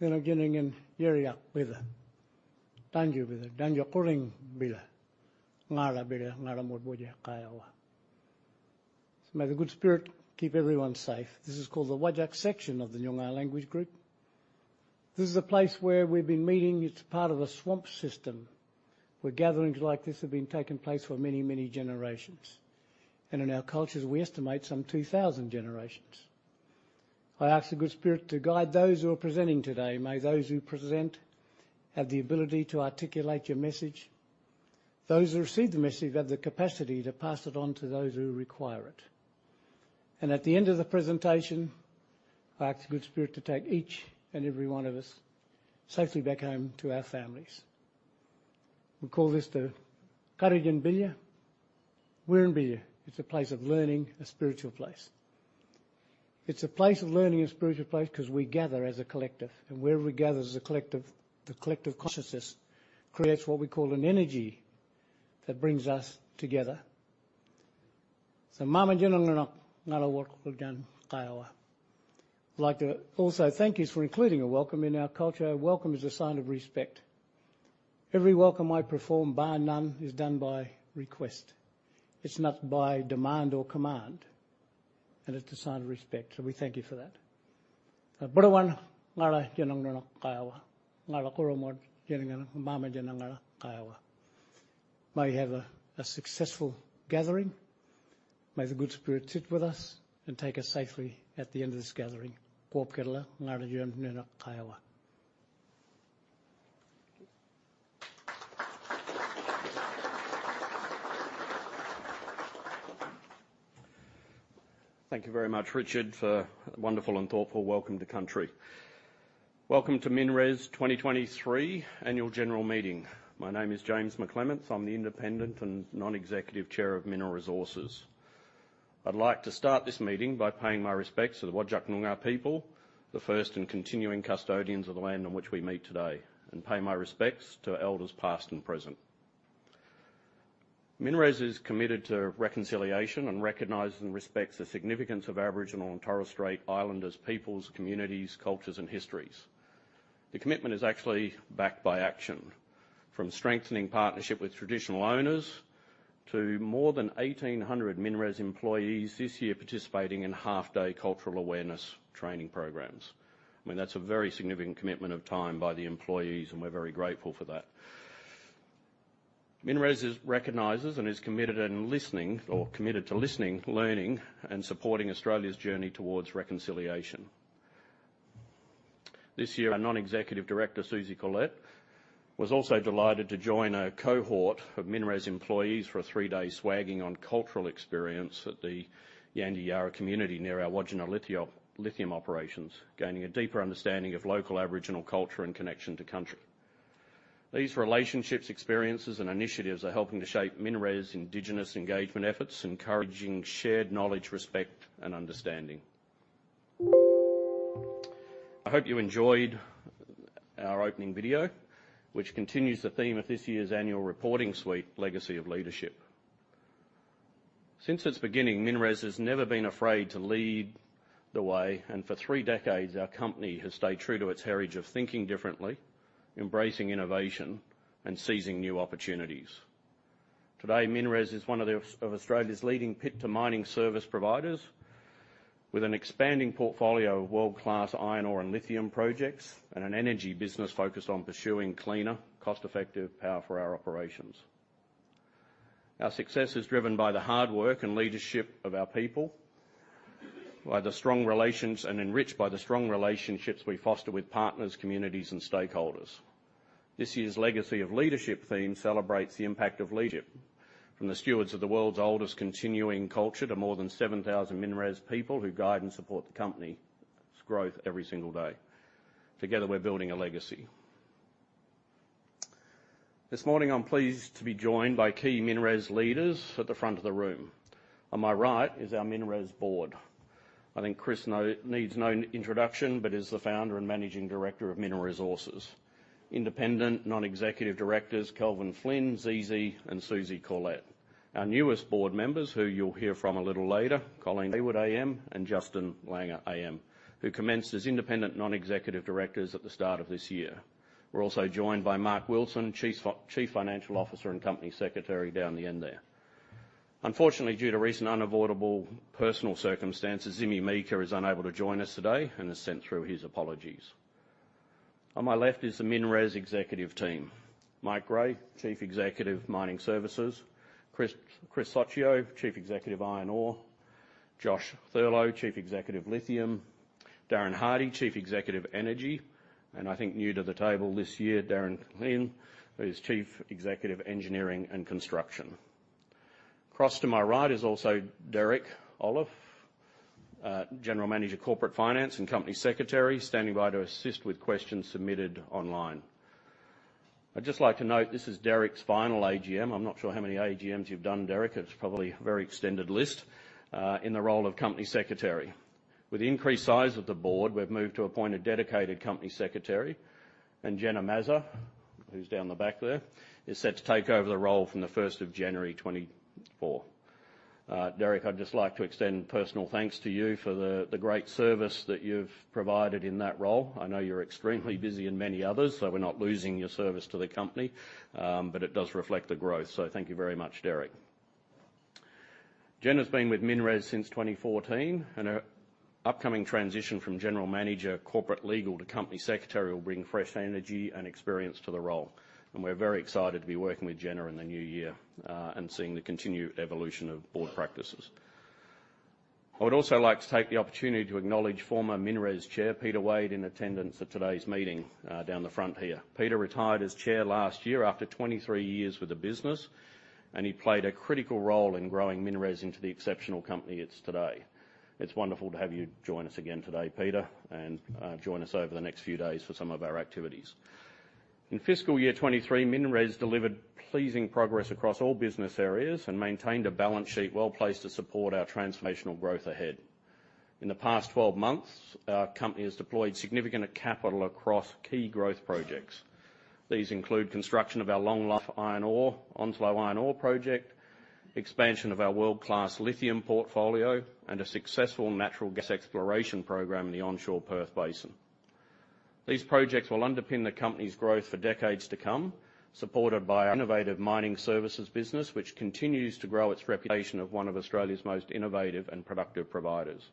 May the good spirit keep everyone safe. This is called the Whadjuk section of the Noongar language group. This is a place where we've been meeting. It's part of a swamp system, where gatherings like this have been taking place for many, many generations. In our cultures, we estimate some 2,000 generations. I ask the good spirit to guide those who are presenting today. May those who present have the ability to articulate your message. Those who receive the message have the capacity to pass it on to those who require it. At the end of the presentation, I ask the good spirit to take each and every one of us safely back home to our families. We call this the. It's a place of learning, a spiritual place. It's a place of learning, a spiritual place, 'cause we gather as a collective, and wherever we gather as a collective, the collective consciousness creates what we call an energy that brings us together. So, I'd like to also thank you for including a welcome. In our culture, a welcome is a sign of respect. Every welcome I perform, bar none, is done by request. It's not by demand or command, and it's a sign of respect, so we thank you for that. May you have a successful gathering. May the good spirit sit with us and take us safely at the end of this gathering. Thank you very much, Richard, for a wonderful and thoughtful welcome to Country. Welcome to MinRes 2023 Annual General Meeting. My name is James McClements. I'm the independent and non-executive chair of Mineral Resources. I'd like to start this meeting by paying my respects to the Whadjuk Noongar people, the first and continuing custodians of the land on which we meet today, and pay my respects to elders past and present. MinRes is committed to reconciliation and recognizes and respects the significance of Aboriginal and Torres Strait Islander peoples, communities, cultures, and histories. The commitment is actually backed by action, from strengthening partnership with traditional owners to more than 1,800 MinRes employees this year participating in half-day cultural awareness training programs. I mean, that's a very significant commitment of time by the employees, and we're very grateful for that. MinRes is... recognizes and is committed to listening, learning, and supporting Australia's journey towards reconciliation. This year, our non-executive director, Susan Corlett, was also delighted to join a cohort of MinRes employees for a three-day swagging on cultural experience at the Yandiyarra community near our Wodgina Lithium operations, gaining a deeper understanding of local Aboriginal culture and connection to Country. These relationships, experiences, and initiatives are helping to shape MinRes' Indigenous engagement efforts, encouraging shared knowledge, respect, and understanding. I hope you enjoyed our opening video, which continues the theme of this year's annual reporting suite, Legacy of Leadership. Since its beginning, MinRes has never been afraid to lead the way, and for three decades, our company has stayed true to its heritage of thinking differently, embracing innovation, and seizing new opportunities. Today, MinRes is one of the... of Australia's leading pit-to-mining service providers, with an expanding portfolio of world-class iron ore and lithium projects, and an energy business focused on pursuing cleaner, cost-effective power for our operations. Our success is driven by the hard work and leadership of our people, by the strong relations, and enriched by the strong relationships we foster with partners, communities, and stakeholders. This year's Legacy of Leadership theme celebrates the impact of leadership, from the stewards of the world's oldest continuing culture to more than 7,000 MinRes people who guide and support the company's growth every single day. Together, we're building a legacy. This morning, I'm pleased to be joined by key MinRes leaders at the front of the room. On my right is our MinRes board. I think Chris needs no introduction, but is the founder and managing director of Mineral Resources. Independent non-executive directors, Kelvin Flynn, Xi Xi, and Susan Corlett. Our newest board members, who you'll hear from a little later, Colleen Hayward AM and Justin Langer AM, who commenced as independent non-executive directors at the start of this year. We're also joined by Mark Wilson, Chief Financial Officer and Company Secretary, down the end there. Unfortunately, due to recent unavoidable personal circumstances, Jimmy Meeker is unable to join us today and has sent through his apologies. On my left is the MinRes executive team: Mike Grey, Chief Executive, Mining Services; Chris Soccio, Chief Executive, Iron Ore; Josh Thurlow, Chief Executive, Lithium; Darren Hardy, Chief Executive, Energy, and I think new to the table this year, Darren Flynn, who is Chief Executive, Engineering and Construction. Across to my right is also Derek Oelofse, General Manager, Corporate Finance and Company Secretary, standing by to assist with questions submitted online. I'd just like to note, this is Derek's final AGM. I'm not sure how many AGMs you've done, Derek. It's probably a very extended list in the role of Company Secretary. With the increased size of the board, we've moved to appoint a dedicated company secretary, and Jenna MaXi Xia, who's down the back there, is set to take over the role from the 1st of January 2024. Derek, I'd just like to extend personal thanks to you for the great service that you've provided in that role. I know you're extremely busy in many others, so we're not losing your service to the company. But it does reflect the growth, so thank you very much, Derek. Jenna's been with MinRes since 2014, and her upcoming transition from General Manager, Corporate Legal to Company Secretary will bring fresh energy and experience to the role, and we're very excited to be working with Jenna in the new year and seeing the continued evolution of board practices. I would also like to take the opportunity to acknowledge former MinRes Chair, Peter Wade, in attendance at today's meeting down the front here. Peter retired as Chair last year after 23 years with the business, and he played a critical role in growing MinRes into the exceptional company it's today. It's wonderful to have you join us again today, Peter, and join us over the next few days for some of our activities. In fiscal year 2023, MinRes delivered pleasing progress across all business areas and maintained a balance sheet well-placed to support our transformational growth ahead. In the past 12 months, our company has deployed significant capital across key growth projects. These include construction of our long life iron ore, Onslow Iron project, expansion of our world-class lithium portfolio, and a successful natural gas exploration program in the onshore Perth Basin. These projects will underpin the company's growth for decades to come, supported by our innovative mining services business, which continues to grow its reputation of one of Australia's most innovative and productive providers.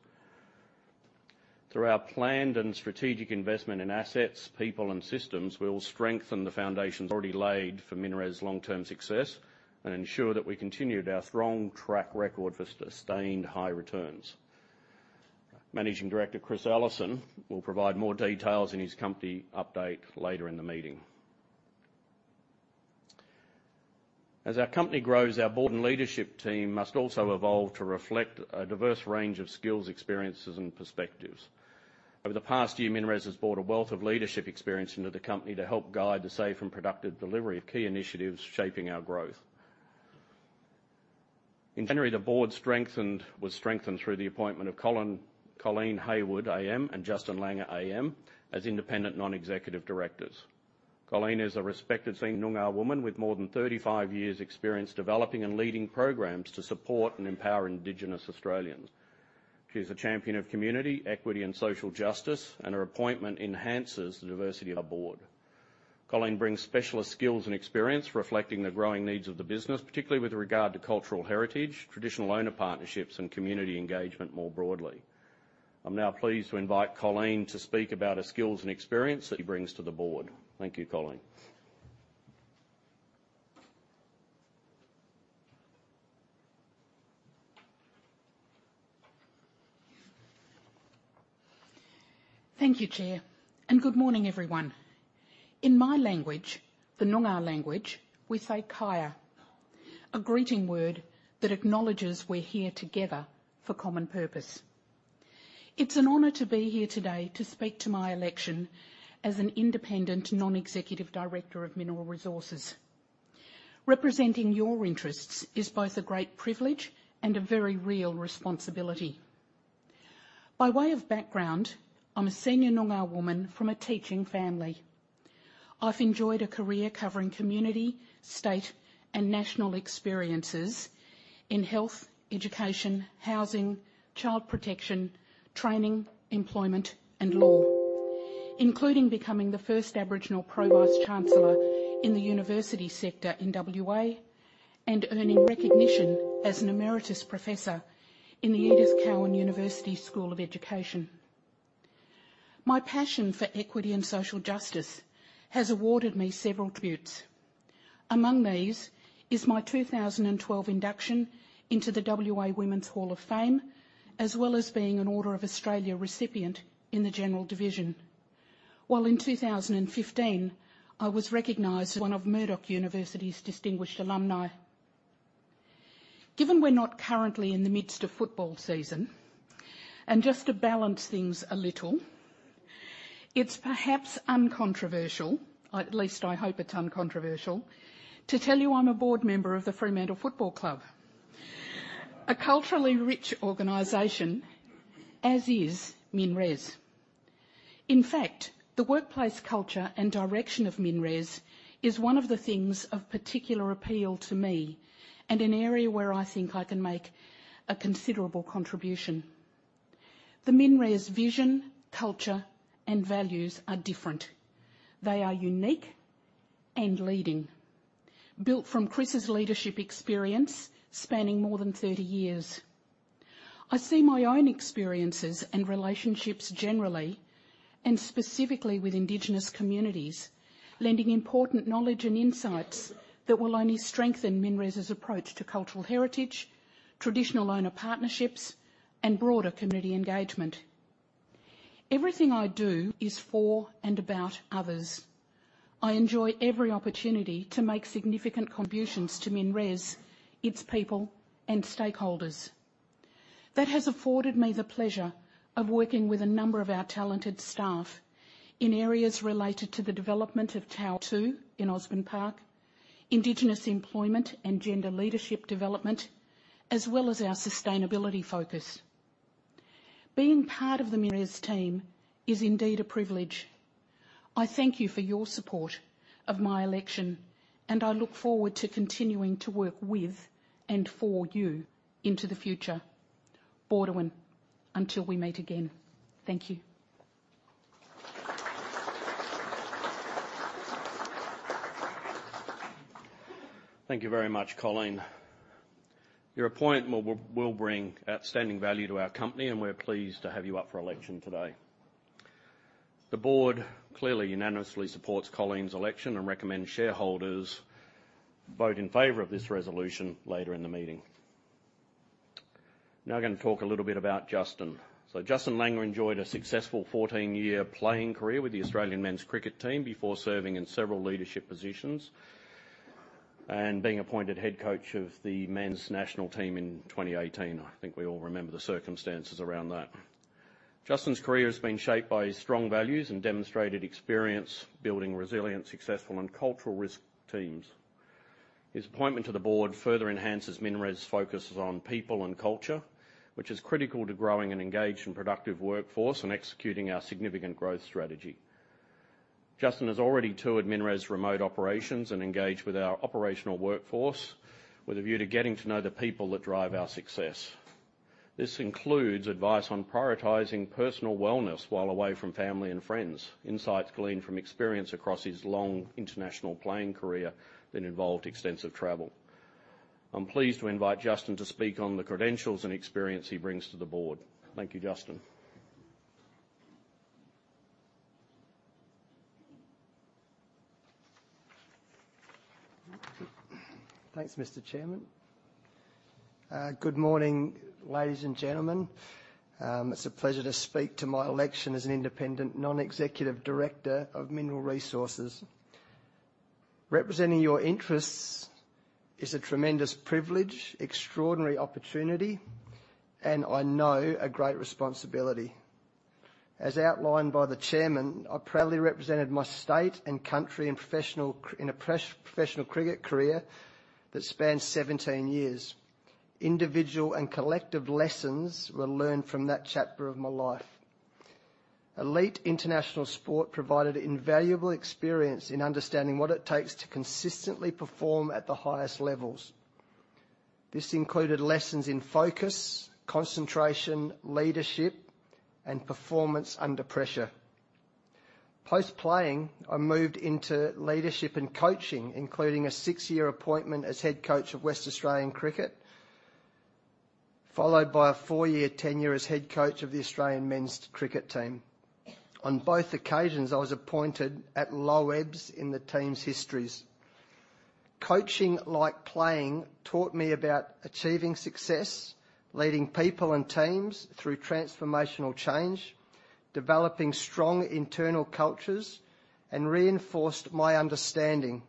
Through our planned and strategic investment in assets, people and systems, we will strengthen the foundations already laid for MinRes' long-term success and ensure that we continued our strong track record for sustained high returns. Managing Director, Chris Ellison, will provide more details in his company update later in the meeting. As our company grows, our board and leadership team must also evolve to reflect a diverse range of skills, experiences and perspectives. Over the past year, MinRes has brought a wealth of leadership experience into the company to help guide the safe and productive delivery of key initiatives shaping our growth. In January, the board was strengthened through the appointment of Colleen Hayward AM and Justin Langer AM as independent non-executive directors. Colleen is a respected senior Noongar woman with more than 35 years' experience developing and leading programs to support and empower Indigenous Australians. She's a champion of community, equity and social justice, and her appointment enhances the diversity of our board. Colleen brings specialist skills and experience, reflecting the growing needs of the business, particularly with regard to cultural heritage, traditional owner partnerships, and community engagement more broadly. I'm now pleased to invite Colleen to speak about her skills and experience that she brings to the board. Thank you, Colleen. Thank you, Chair, and good morning, everyone. In my language, the Noongar language, we say, "Kaya," a greeting word that acknowledges we're here together for common purpose. It's an honor to be here today to speak to my election as an independent, non-executive director of Mineral Resources. Representing your interests is both a great privilege and a very real responsibility. By way of background, I'm a senior Noongar woman from a teaching family. I've enjoyed a career covering community, state, and national experiences in health, education, housing, child protection, training, employment and law, including becoming the first Aboriginal Pro-Vice Chancellor in the university sector in WA, and earning recognition as an Emeritus Professor in the Edith Cowan University School of Education. My passion for equity and social justice has awarded me several tributes. Among these is my 2012 induction into the WA Women's Hall of Fame, as well as being an Order of Australia recipient in the General Division. While in 2015, I was recognized as one of Murdoch University's distinguished alumni. Given we're not currently in the midst of football season, and just to balance things a little, it's perhaps uncontroversial, or at least I hope it's uncontroversial, to tell you I'm a board member of the Fremantle Football Club, a culturally rich organization, as is MinRes. In fact, the workplace culture and direction of MinRes is one of the things of particular appeal to me and an area where I think I can make a considerable contribution. The MinRes vision, culture, and values are different. They are unique and leading, built from Chris's leadership experience spanning more than 30 years. I see my own experiences and relationships generally and specifically with Indigenous communities, lending important knowledge and insights that will only strengthen MinRes' approach to cultural heritage, traditional owner partnerships, and broader community engagement. Everything I do is for and about others. I enjoy every opportunity to make significant contributions to MinRes, its people, and stakeholders. That has afforded me the pleasure of working with a number of our talented staff in areas related to the development of Tower Two in Osborne Park, Indigenous employment and gender leadership development, as well as our sustainability focus. Being part of the MinRes team is indeed a privilege. I thank you for your support of my election, and I look forward to continuing to work with and for you into the future. Boordawan, until we meet again. Thank you. Thank you very much, Colleen. Your appointment will bring outstanding value to our company, and we're pleased to have you up for election today. The board clearly unanimously supports Colleen's election and recommend shareholders vote in favor of this resolution later in the meeting. Now I'm gonna talk a little bit about Justin. So Justin Langer enjoyed a successful 14-year playing career with the Australian Men's Cricket Team before serving in several leadership positions and being appointed head coach of the Men's National Team in 2018. I think we all remember the circumstances around that. Justin's career has been shaped by his strong values and demonstrated experience building resilient, successful, and cultural risk teams. His appointment to the board further enhances MinRes' focus on people and culture, which is critical to growing an engaged and productive workforce and executing our significant growth strategy. Justin has already toured MinRes' remote operations and engaged with our operational workforce, with a view to getting to know the people that drive our success. This includes advice on prioritizing personal wellness while away from family and friends, insights gleaned from experience across his long international playing career that involved extensive travel. I'm pleased to invite Justin to speak on the credentials and experience he brings to the board. Thank you, Justin. Thanks, Mr. Chairman. Good morning, ladies and gentlemen. It's a pleasure to speak to my election as an independent, non-executive director of Mineral Resources. Representing your interests is a tremendous privilege, extraordinary opportunity, and I know a great responsibility. As outlined by the chairman, I proudly represented my state and country in a professional cricket career that spanned 17 years. Individual and collective lessons were learned from that chapter of my life. Elite international sport provided invaluable experience in understanding what it takes to consistently perform at the highest levels. This included lessons in focus, concentration, leadership, and performance under pressure. Post-playing, I moved into leadership and coaching, including a 6-year appointment as head coach of West Australian Cricket, followed by a 4-year tenure as head coach of the Australian Men's Cricket Team. On both occasions, I was appointed at low ebbs in the teams' histories. Coaching, like playing, taught me about achieving success, leading people and teams through transformational change, developing strong internal cultures, and reinforced my understanding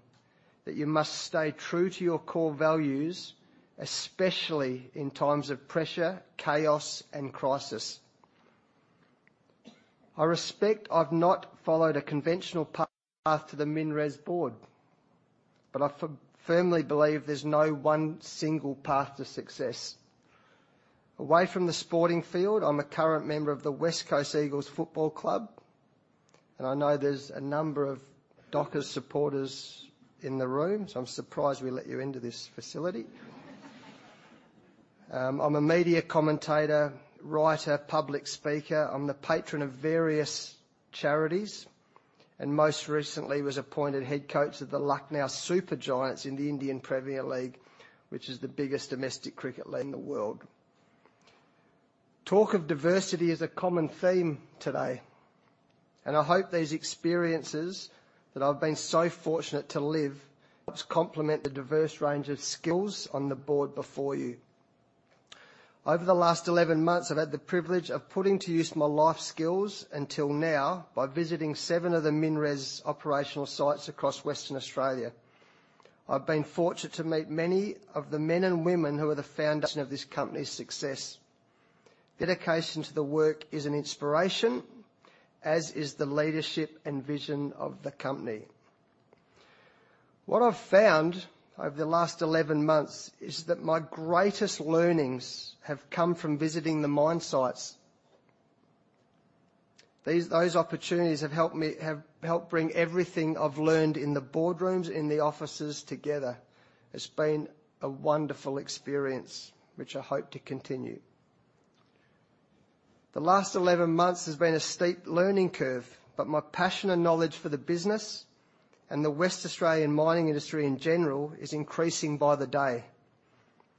that you must stay true to your core values, especially in times of pressure, chaos, and crisis. I suspect I've not followed a conventional path to the MinRes board, but I firmly believe there's no one single path to success. Away from the sporting field, I'm a current member of the West Coast Eagles Football Club, and I know there's a number of Dockers supporters in the room, so I'm surprised we let you into this facility. I'm a media commentator, writer, public speaker. I'm the patron of various charities, and most recently was appointed head coach of the Lucknow Super Giants in the Indian Premier League, which is the biggest domestic cricket league in the world. Talk of diversity is a common theme today, and I hope these experiences that I've been so fortunate to live complement the diverse range of skills on the board before you. Over the last 11 months, I've had the privilege of putting to use my life skills until now by visiting 7 of the MinRes operational sites across Western Australia. I've been fortunate to meet many of the men and women who are the foundation of this company's success. Dedication to the work is an inspiration, as is the leadership and vision of the company. What I've found over the last 11 months is that my greatest learnings have come from visiting the mine sites. These, those opportunities have helped me, have helped bring everything I've learned in the boardrooms, in the offices together. It's been a wonderful experience, which I hope to continue. The last 11 months has been a steep learning curve, but my passion and knowledge for the business and the Western Australian mining industry in general is increasing by the day....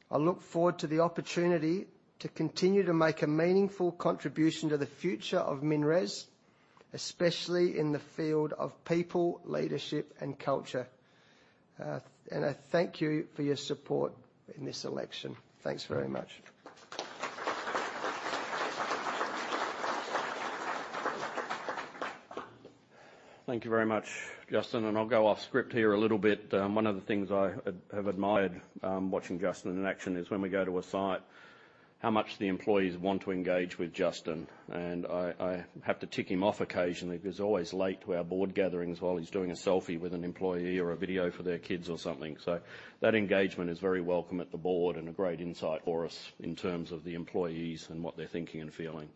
I look forward to the opportunity to continue to make a meaningful contribution to the future of MinRes, especially in the field of people, leadership, and culture. And I thank you for your support in this election. Thanks very much. Thank you very much, Justin, and I'll go off script here a little bit. One of the things I have admired, watching Justin in action is when we go to a site, how much the employees want to engage with Justin, and I have to tick him off occasionally. He's always late to our board gatherings while he's doing a selfie with an employee or a video for their kids or something. So that engagement is very welcome at the board and a great insight for us in terms of the employees and what they're thinking and feeling.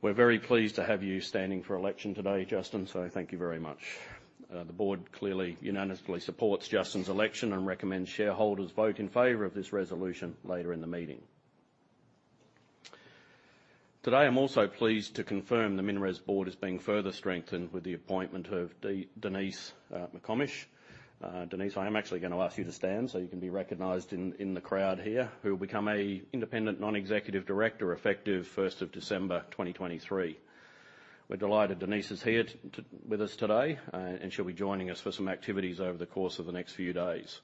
We're very pleased to have you standing for election today, Justin, so thank you very much. The board clearly unanimously supports Justin's election and recommends shareholders vote in favor of this resolution later in the meeting. Today, I'm also pleased to confirm the MinRes board is being further strengthened with the appointment of Denise McComish. Denise, I am actually gonna ask you to stand so you can be recognized in the crowd here, who will become an independent non-executive director, effective first of December 2023. We're delighted Denise is here with us today. And she'll be joining us for some activities over the course of the next few days.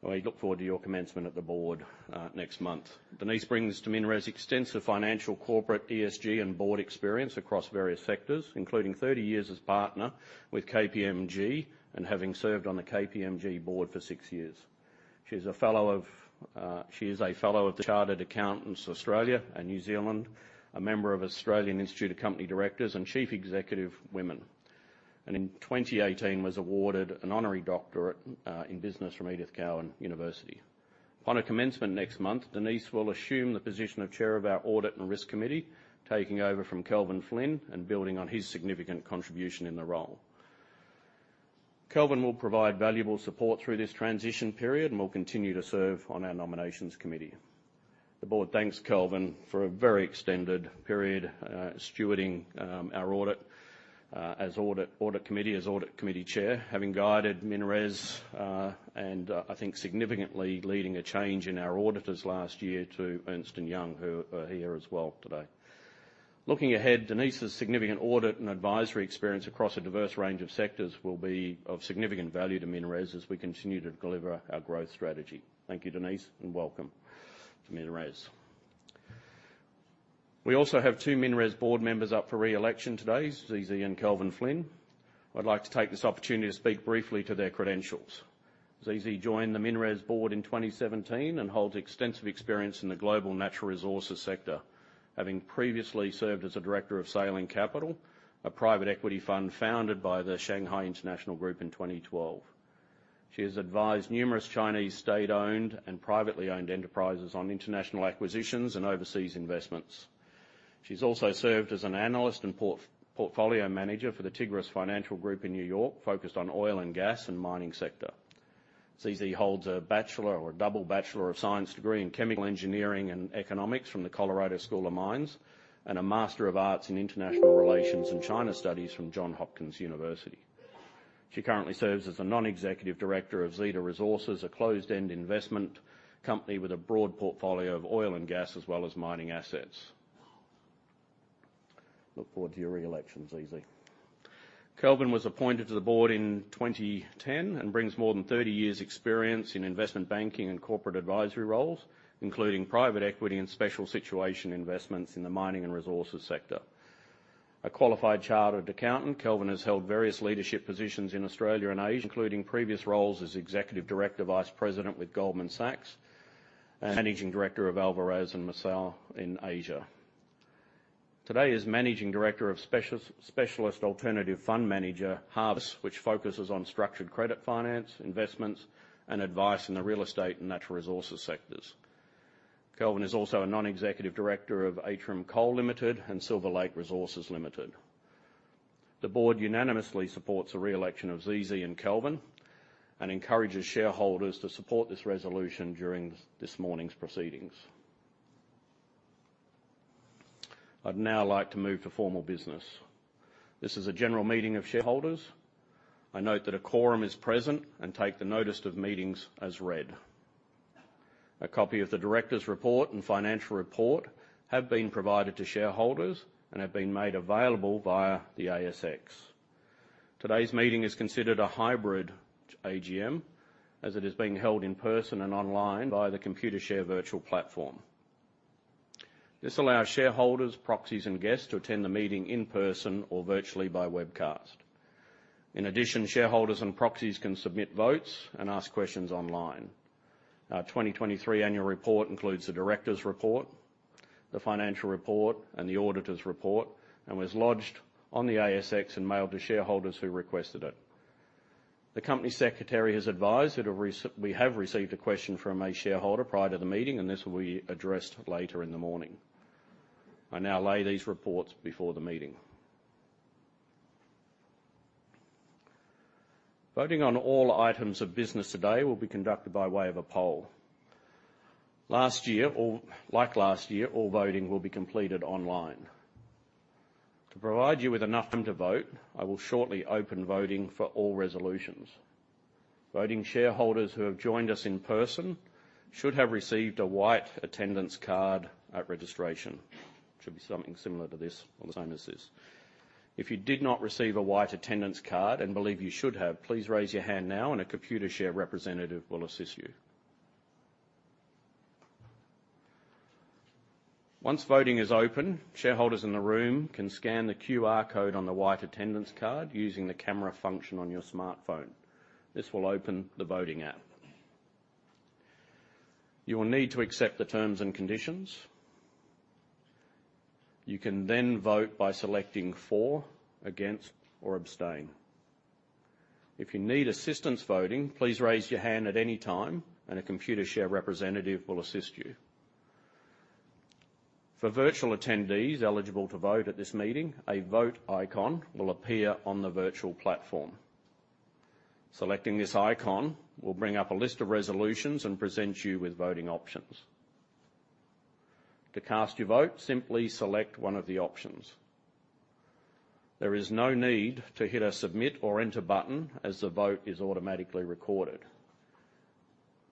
We look forward to your commencement at the board next month. Denise brings to MinRes extensive financial, corporate, ESG, and board experience across various sectors, including 30 years as partner with KPMG and having served on the KPMG board for 6 years. She's a fellow of... She is a fellow of the Chartered Accountants Australia and New Zealand, a member of Australian Institute of Company Directors and Chief Executive Women, and in 2018 was awarded an honorary doctorate, in business from Edith Cowan University. On her commencement next month, Denise will assume the position of chair of our Audit and Risk Committee, taking over from Kelvin Flynn and building on his significant contribution in the role. Kelvin will provide valuable support through this transition period and will continue to serve on our Nominations Committee. The board thanks Kelvin for a very extended period, stewarding our audit as Audit Committee chair, having guided MinRes, and I think significantly leading a change in our auditors last year to Ernst & Young, who are here as well today. Looking ahead, Denise's significant audit and advisory experience across a diverse range of sectors will be of significant value to MinRes as we continue to deliver our growth strategy. Thank you, Denise, and welcome to MinRes. We also have two MinRes board members up for re-election today, Xi Xi and Kelvin Flynn. I'd like to take this opportunity to speak briefly to their credentials. Xi Xi joined the MinRes board in 2017 and holds extensive experience in the global natural resources sector, having previously served as a director of Sailing Capital, a private equity fund founded by the Shanghai International Group in 2012. She has advised numerous Chinese state-owned and privately owned enterprises on international acquisitions and overseas investments. She's also served as an analyst and portfolio manager for the Tigris Financial Group in New York, focused on oil and gas and mining sector. Xi Xi holds a bachelor or a double Bachelor of Science degree in Chemical Engineering and Economics from the Colorado School of Mines, and a Master of Arts in International Relations and China Studies from Johns Hopkins University. She currently serves as a non-executive director of Zeta Resources, a closed-end investment company with a broad portfolio of oil and gas, as well as mining assets. Look forward to your re-election, Xi Xi. Kelvin was appointed to the board in 2010 and brings more than 30 years' experience in investment banking and corporate advisory roles, including private equity and special situation investments in the mining and resources sector. A qualified chartered accountant, Kelvin has held various leadership positions in Australia and Asia, including previous roles as Executive Director, Vice President with Goldman Sachs and Managing Director of Alvarez & Marsal in Asia. Today, he's Managing Director of specialist alternative fund manager, Harvis, which focuses on structured credit finance, investments, and advice in the real estate and natural resources sectors. Kelvin is also a non-executive director of Atrum Coal Limited and Silver Lake Resources Limited. The board unanimously supports the re-election of Xi Xi and Kelvin and encourages shareholders to support this resolution during this morning's proceedings. I'd now like to move to formal business. This is a general meeting of shareholders. I note that a quorum is present and take the notice of meetings as read. A copy of the directors' report and financial report have been provided to shareholders and have been made available via the ASX. Today's meeting is considered a hybrid AGM, as it is being held in person and online via the Computershare virtual platform. This allows shareholders, proxies, and guests to attend the meeting in person or virtually by webcast. In addition, shareholders and proxies can submit votes and ask questions online. Our 2023 annual report includes the directors' report, the financial report, and the auditors' report, and was lodged on the ASX and mailed to shareholders who requested it. The company secretary has advised that we have received a question from a shareholder prior to the meeting, and this will be addressed later in the morning. I now lay these reports before the meeting. Voting on all items of business today will be conducted by way of a poll. Last year, or like last year, all voting will be completed online.... To provide you with enough time to vote, I will shortly open voting for all resolutions. Voting shareholders who have joined us in person should have received a white attendance card at registration. It should be something similar to this or the same as this. If you did not receive a white attendance card and believe you should have, please raise your hand now, and a Computershare representative will assist you. Once voting is open, shareholders in the room can scan the QR code on the white attendance card using the camera function on your smartphone. This will open the voting app. You will need to accept the terms and conditions. You can then vote by selecting For, Against, or Abstain. If you need assistance voting, please raise your hand at any time, and a Computershare representative will assist you. For virtual attendees eligible to vote at this meeting, a Vote icon will appear on the virtual platform. Selecting this icon will bring up a list of resolutions and present you with voting options. To cast your vote, simply select one of the options. There is no need to hit a Submit or Enter button, as the vote is automatically recorded.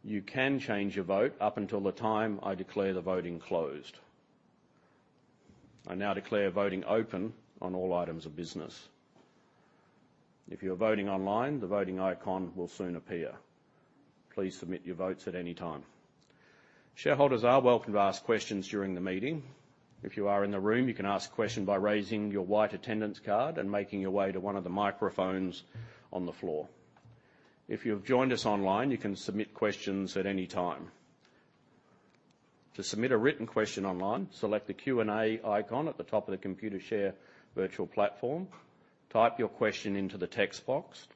You can change your vote up until the time I declare the voting closed. I now declare voting open on all items of business. If you are voting online, the voting icon will soon appear. Please submit your votes at any time. Shareholders are welcome to ask questions during the meeting. If you are in the room, you can ask a question by raising your white attendance card and making your way to one of the microphones on the floor. If you've joined us online, you can submit questions at any time. To submit a written question online, select the Q&A icon at the top of the Computershare virtual platform, type your question into the text box,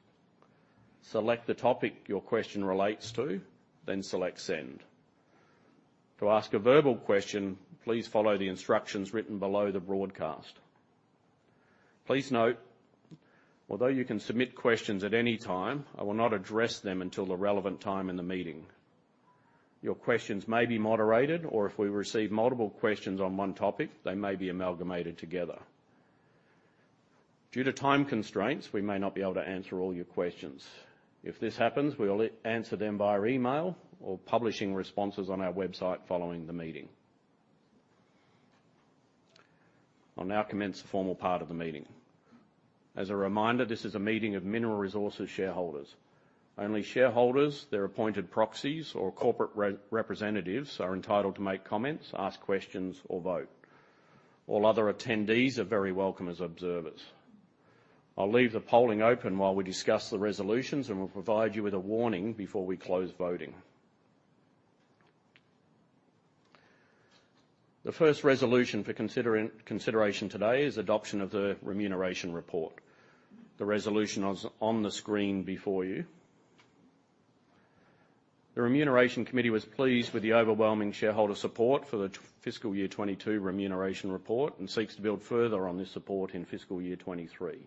select the topic your question relates to, then select Send. To ask a verbal question, please follow the instructions written below the broadcast. Please note, although you can submit questions at any time, I will not address them until the relevant time in the meeting. Your questions may be moderated, or if we receive multiple questions on one topic, they may be amalgamated together. Due to time constraints, we may not be able to answer all your questions. If this happens, we will email answer them via email or publishing responses on our website following the meeting. I'll now commence the formal part of the meeting. As a reminder, this is a meeting of Mineral Resources shareholders. Only shareholders, their appointed proxies, or corporate representatives are entitled to make comments, ask questions, or vote. All other attendees are very welcome as observers. I'll leave the polling open while we discuss the resolutions, and we'll provide you with a warning before we close voting. The first resolution for consideration today is Adoption of the Remuneration Report. The resolution is on the screen before you. The Remuneration Committee was pleased with the overwhelming shareholder support for the Fiscal Year 22 Remuneration Report and seeks to build further on this support in Fiscal Year 23.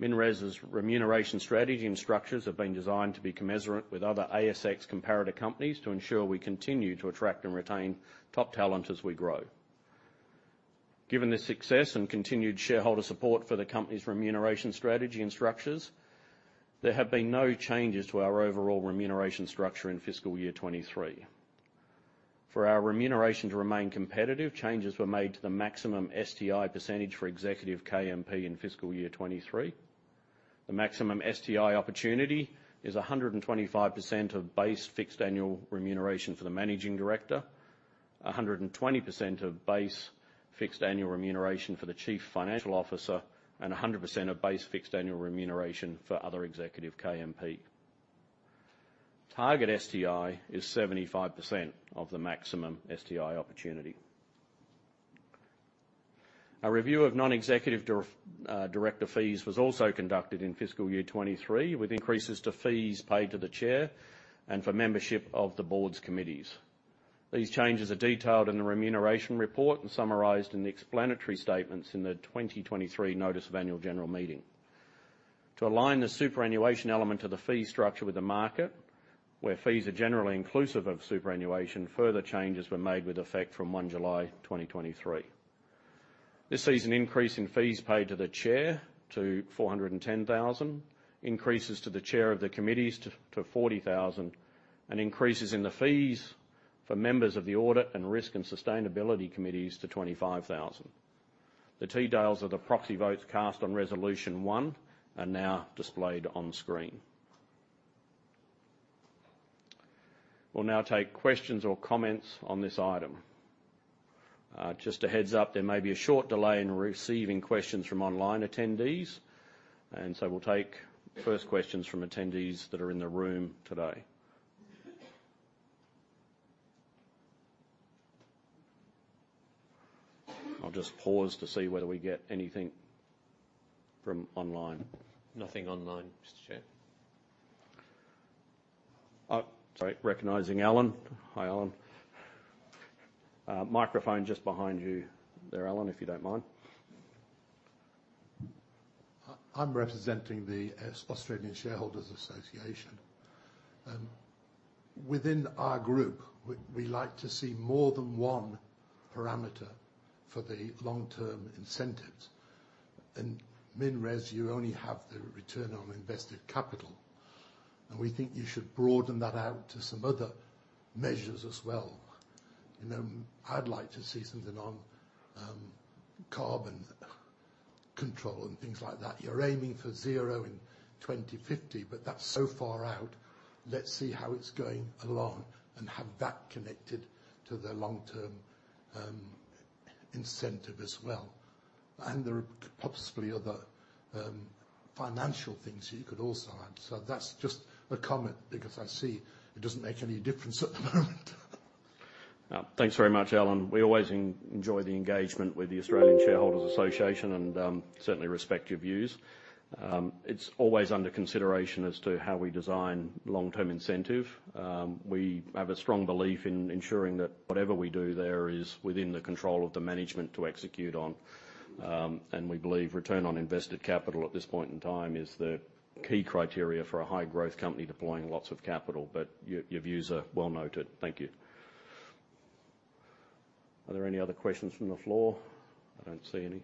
MinRes' remuneration strategy and structures have been designed to be commensurate with other ASX comparator companies to ensure we continue to attract and retain top talent as we grow. Given this success and continued shareholder support for the company's remuneration strategy and structures, there have been no changes to our overall remuneration structure in Fiscal Year 2023. For our remuneration to remain competitive, changes were made to the maximum STI percentage for Executive KMP in Fiscal Year 2023. The maximum STI opportunity is 125% of base fixed annual remuneration for the Managing Director, 120% of base fixed annual remuneration for the Chief Financial Officer, and 100% of base fixed annual remuneration for other Executive KMP. Target STI is 75% of the maximum STI opportunity. A review of non-executive director fees was also conducted in Fiscal Year 2023, with increases to fees paid to the chair and for membership of the board's committees. These changes are detailed in the Remuneration Report and summarized in the explanatory statements in the 2023 Notice of Annual General Meeting. To align the superannuation element of the fee structure with the market, where fees are generally inclusive of superannuation, further changes were made with effect from 1 July 2023. This sees an increase in fees paid to the chair to 410,000, increases to the chair of the committees to 40,000, and increases in the fees for members of the Audit and Risk and Sustainability Committees to 25,000. The details of the proxy votes cast on Resolution One are now displayed on screen. We'll now take questions or comments on this item. Just a heads up, there may be a short delay in receiving questions from online attendees, and so we'll take first questions from attendees that are in the room today. I'll just pause to see whether we get anything from online. Nothing online, Mr. Chair. Oh, sorry, recognizing Alan. Hi, Alan. Microphone just behind you there, Alan, if you don't mind. I’m representing the Australian Shareholders Association. Within our group, we like to see more than one parameter for the long-term incentives. In MinRes, you only have the return on invested capital, and we think you should broaden that out to some other measures as well. You know, I’d like to see something on carbon control and things like that. You’re aiming for zero in 2050, but that’s so far out. Let’s see how it’s going along and have that connected to the long-term incentive as well. And there are possibly other financial things you could also add. So that’s just a comment, because I see it doesn’t make any difference at the moment. Thanks very much, Alan. We always enjoy the engagement with the Australian Shareholders Association and certainly respect your views. It's always under consideration as to how we design long-term incentive. We have a strong belief in ensuring that whatever we do there is within the control of the management to execute on. And we believe return on invested capital at this point in time is the key criteria for a high-growth company deploying lots of capital. But your views are well noted. Thank you. Are there any other questions from the floor? I don't see any.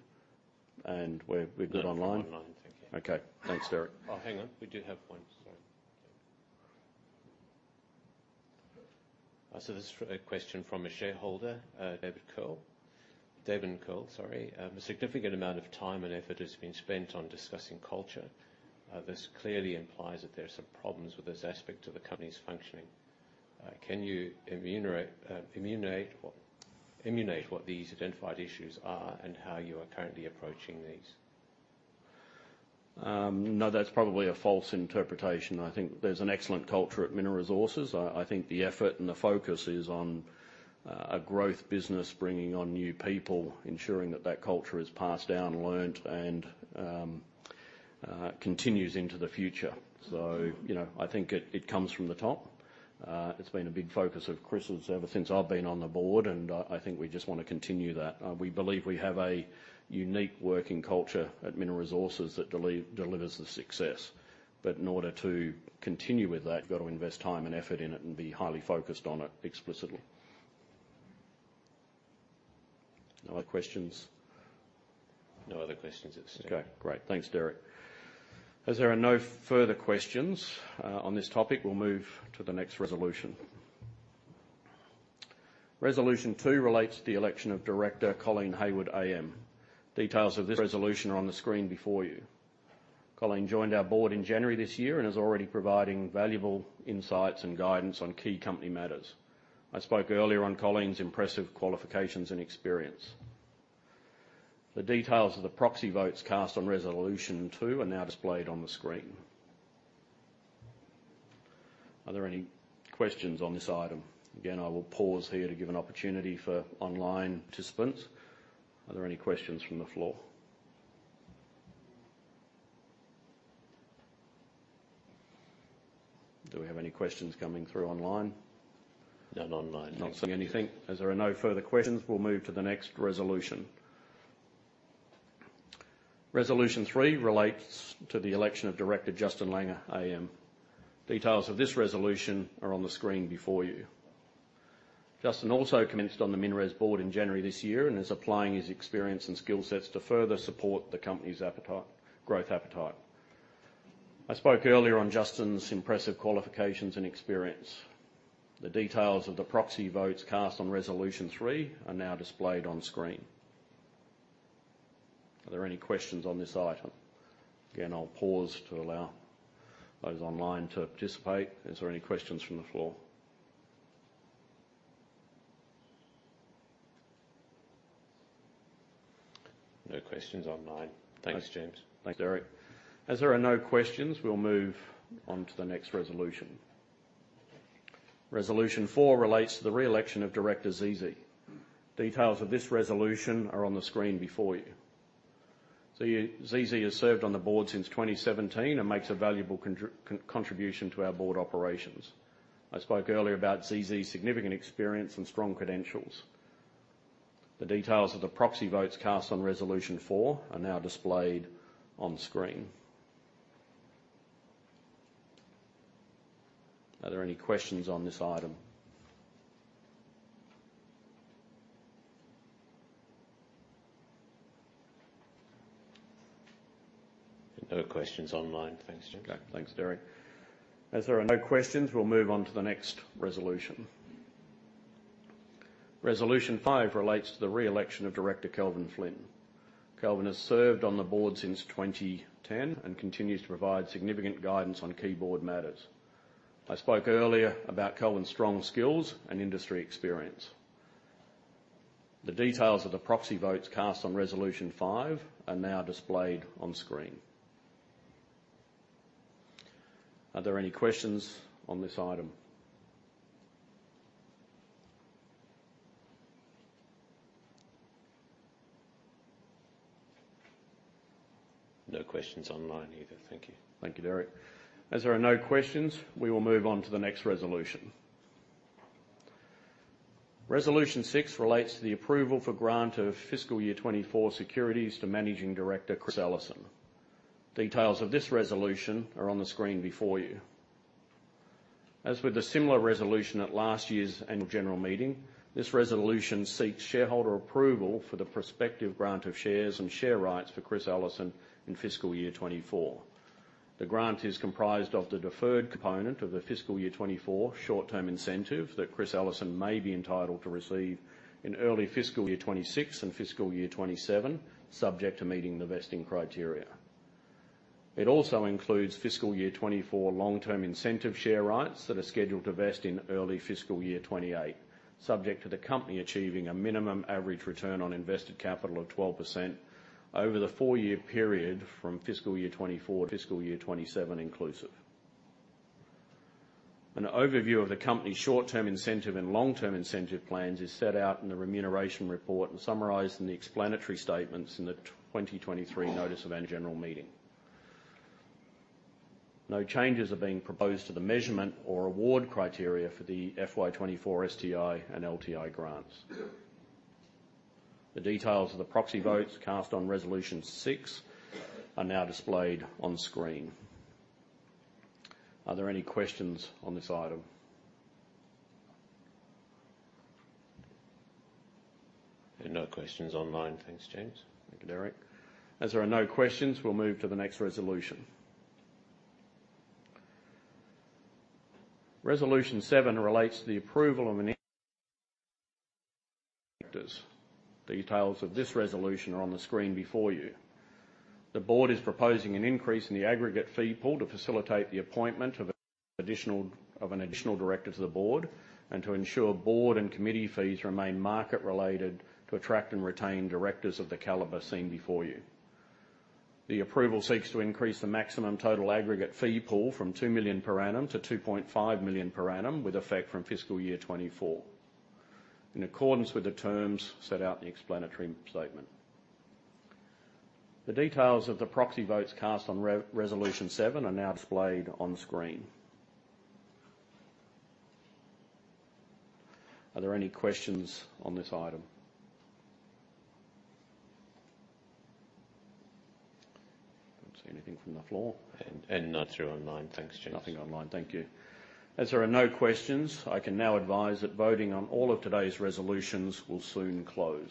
And we're good online? Online. Thank you. Okay. Thanks, Derek. Oh, hang on. We do have one. Sorry. So this is a question from a shareholder, David Cole. David Cole, sorry. A significant amount of time and effort has been spent on discussing culture. This clearly implies that there are some problems with this aspect of the company's functioning. Can you enumerate what these identified issues are and how you are currently approaching these? No, that's probably a false interpretation. I think there's an excellent culture at Mineral Resources. I think the effort and the focus is on a growth business, bringing on new people, ensuring that that culture is passed down, learned, and continues into the future. So, you know, I think it comes from the top. It's been a big focus of Chris's ever since I've been on the board, and I think we just want to continue that. We believe we have a unique working culture at Mineral Resources that delivers the success. But in order to continue with that, you've got to invest time and effort in it and be highly focused on it explicitly. No other questions? No other questions, it seems. Okay, great. Thanks, Derek. As there are no further questions on this topic, we'll move to the next resolution. Resolution two relates to the election of Director Colleen Hayward AM. Details of this resolution are on the screen before you. Colleen joined our board in January this year and is already providing valuable insights and guidance on key company matters. I spoke earlier on Colleen's impressive qualifications and experience. The details of the proxy votes cast on resolution two are now displayed on the screen. Are there any questions on this item? Again, I will pause here to give an opportunity for online participants. Are there any questions from the floor? Do we have any questions coming through online? None online. Not seeing anything. As there are no further questions, we'll move to the next resolution. Resolution three relates to the election of Director Justin Langer AM. Details of this resolution are on the screen before you. Justin also commenced on the MinRes board in January this year and is applying his experience and skill sets to further support the company's appetite, growth appetite. I spoke earlier on Justin's impressive qualifications and experience. The details of the proxy votes cast on resolution three are now displayed on screen. Are there any questions on this item? Again, I'll pause to allow those online to participate. Is there any questions from the floor? No questions online. Thanks, James. Thanks, Derek. As there are no questions, we'll move on to the next resolution. Resolution 4 relates to the re-election of Director Xi Xi. Details of this resolution are on the screen before you. Xi Xi has served on the board since 2017 and makes a valuable contribution to our board operations. I spoke earlier about Xi Xi's significant experience and strong credentials. The details of the proxy votes cast on resolution 4 are now displayed on screen. Are there any questions on this item? No questions online. Thanks, James. Okay. Thanks, Derek. As there are no questions, we'll move on to the next resolution. Resolution 5 relates to the re-election of Director Kelvin Flynn. Kelvin has served on the board since 2010 and continues to provide significant guidance on key board matters. I spoke earlier about Kelvin's strong skills and industry experience. The details of the proxy votes cast on Resolution 5 are now displayed on screen. Are there any questions on this item? No questions online either. Thank you. Thank you, Derek. As there are no questions, we will move on to the next resolution. Resolution 6 relates to the approval for grant of fiscal year 2024 securities to Managing Director, Chris Ellison. Details of this resolution are on the screen before you. As with a similar resolution at last year's Annual General Meeting, this resolution seeks shareholder approval for the prospective grant of shares and share rights for Chris Ellison in fiscal year 2024. The grant is comprised of the deferred component of the fiscal year 2024 short-term incentive that Chris Ellison may be entitled to receive in early fiscal year 2026 and fiscal year 2027, subject to meeting the vesting criteria. It also includes fiscal year 2024 long-term incentive share rights that are scheduled to vest in early fiscal year 2028, subject to the company achieving a minimum average return on invested capital of 12% over the four-year period from fiscal year 2024 to fiscal year 2027 inclusive. An overview of the company's short-term incentive and long-term incentive plans is set out in the remuneration report and summarized in the explanatory statements in the 2023 notice of Annual General Meeting. No changes are being proposed to the measurement or award criteria for the FY 2024 STI and LTI grants. The details of the proxy votes cast on resolution six are now displayed on screen. Are there any questions on this item? There are no questions online. Thanks, James. Thank you, Derek. As there are no questions, we'll move to the next resolution. Resolution seven relates to the approval of the directors. Details of this resolution are on the screen before you. The board is proposing an increase in the aggregate fee pool to facilitate the appointment of an additional director to the board, and to ensure board and committee fees remain market-related to attract and retain directors of the caliber seen before you. The approval seeks to increase the maximum total aggregate fee pool from 2 million per annum to 2.5 million per annum, with effect from fiscal year 2024, in accordance with the terms set out in the explanatory statement. The details of the proxy votes cast on resolution seven are now displayed on screen. Are there any questions on this item? I don't see anything from the floor. None through online. Thanks, James. Nothing online. Thank you. As there are no questions, I can now advise that voting on all of today's resolutions will soon close.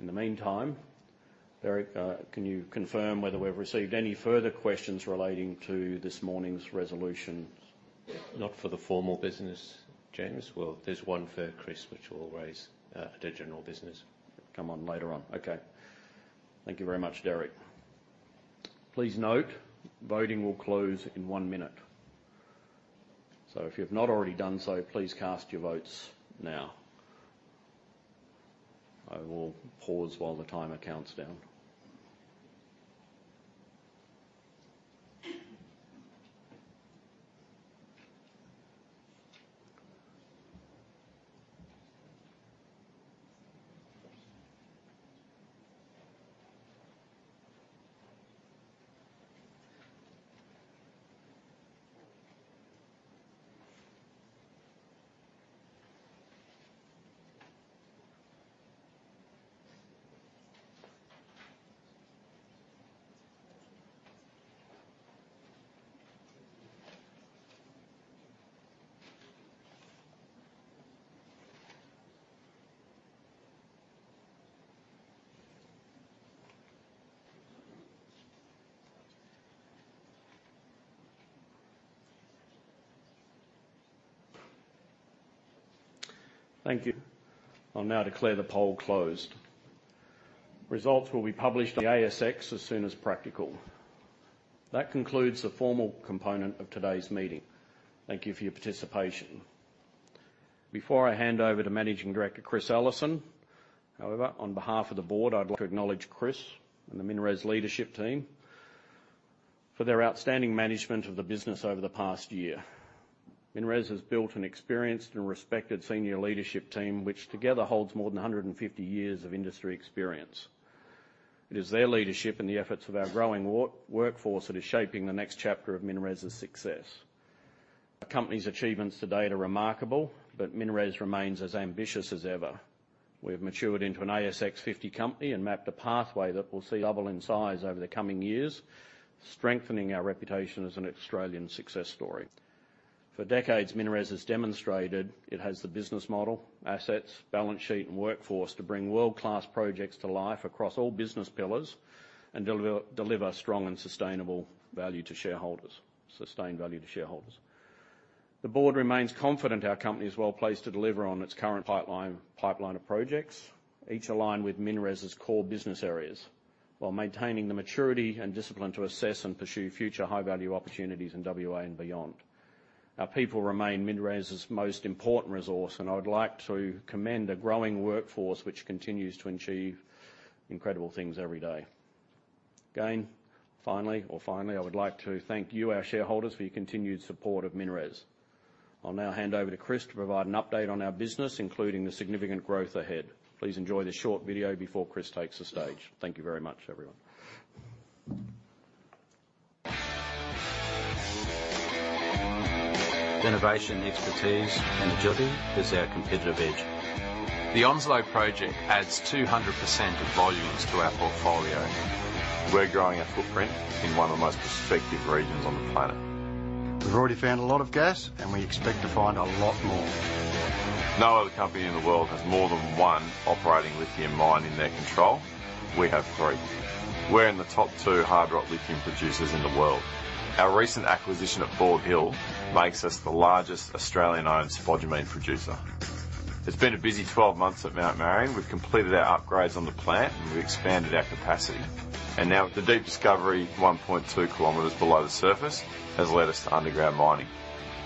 In the meantime, Derek, can you confirm whether we've received any further questions relating to this morning's resolutions? Not for the formal business, James. Well, there's one for Chris, which we'll raise at the general business. Come on later on. Okay. Thank you very much, Derek. Please note, voting will close in one minute. So if you have not already done so, please cast your votes now. I will pause while the timer counts down. Thank you. I'll now declare the poll closed. Results will be published on the ASX as soon as practical. That concludes the formal component of today's meeting. Thank you for your participation. Before I hand over to Managing Director, Chris Ellison, however, on behalf of the board, I'd like to acknowledge Chris and the MinRes leadership team for their outstanding management of the business over the past year. MinRes has built an experienced and respected senior leadership team, which together holds more than 150 years of industry experience. It is their leadership and the efforts of our growing workforce that is shaping the next chapter of MinRes' success. The company's achievements to date are remarkable, but MinRes remains as ambitious as ever. We have matured into an ASX 50 company and mapped a pathway that will see double in size over the coming years, strengthening our reputation as an Australian success story. For decades, MinRes has demonstrated it has the business model, assets, balance sheet, and workforce to bring world-class projects to life across all business pillars and deliver strong and sustainable value to shareholders, sustained value to shareholders. The board remains confident our company is well-placed to deliver on its current pipeline, pipeline of projects, each aligned with MinRes' core business areas, while maintaining the maturity and discipline to assess and pursue future high-value opportunities in WA and beyond. Our people remain MinRes' most important resource, and I would like to commend a growing workforce, which continues to achieve incredible things every day. Finally, I would like to thank you, our shareholders, for your continued support of MinRes. I'll now hand over to Chris to provide an update on our business, including the significant growth ahead. Please enjoy this short video before Chris takes the stage. Thank you very much, everyone. Innovation, expertise, and agility is our competitive edge. The Onslow Project adds 200% of volumes to our portfolio. We're growing our footprint in one of the most prospective regions on the planet. We've already found a lot of gas, and we expect to find a lot more. No other company in the world has more than one operating lithium mine in their control. We have 3. We're in the top 2 hard rock lithium producers in the world. Our recent acquisition at Bald Hill makes us the largest Australian-owned spodumene producer. It's been a busy 12 months at Mount Marion. We've completed our upgrades on the plant, and we've expanded our capacity. And now, with the deep discovery, 1.2 kilometers below the surface, has led us to underground mining.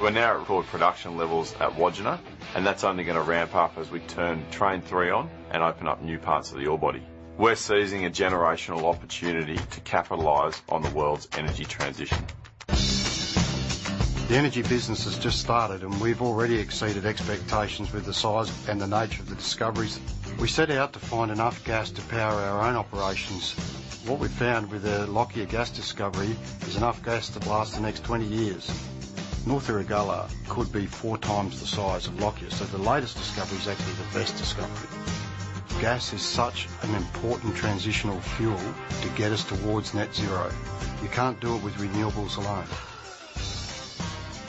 We're now at record production levels at Wodgina, and that's only gonna ramp up as we turn train 3 on and open up new parts of the ore body. We're seizing a generational opportunity to capitalize on the world's energy transition. The energy business has just started, and we've already exceeded expectations with the size and the nature of the discoveries. We set out to find enough gas to power our own operations. What we found with the Lockyer gas discovery is enough gas to last the next 20 years. North Erregulla could be 4 times the size of Lockyer, so the latest discovery is actually the best discovery. Gas is such an important transitional fuel to get us towards net zero. You can't do it with renewables alone.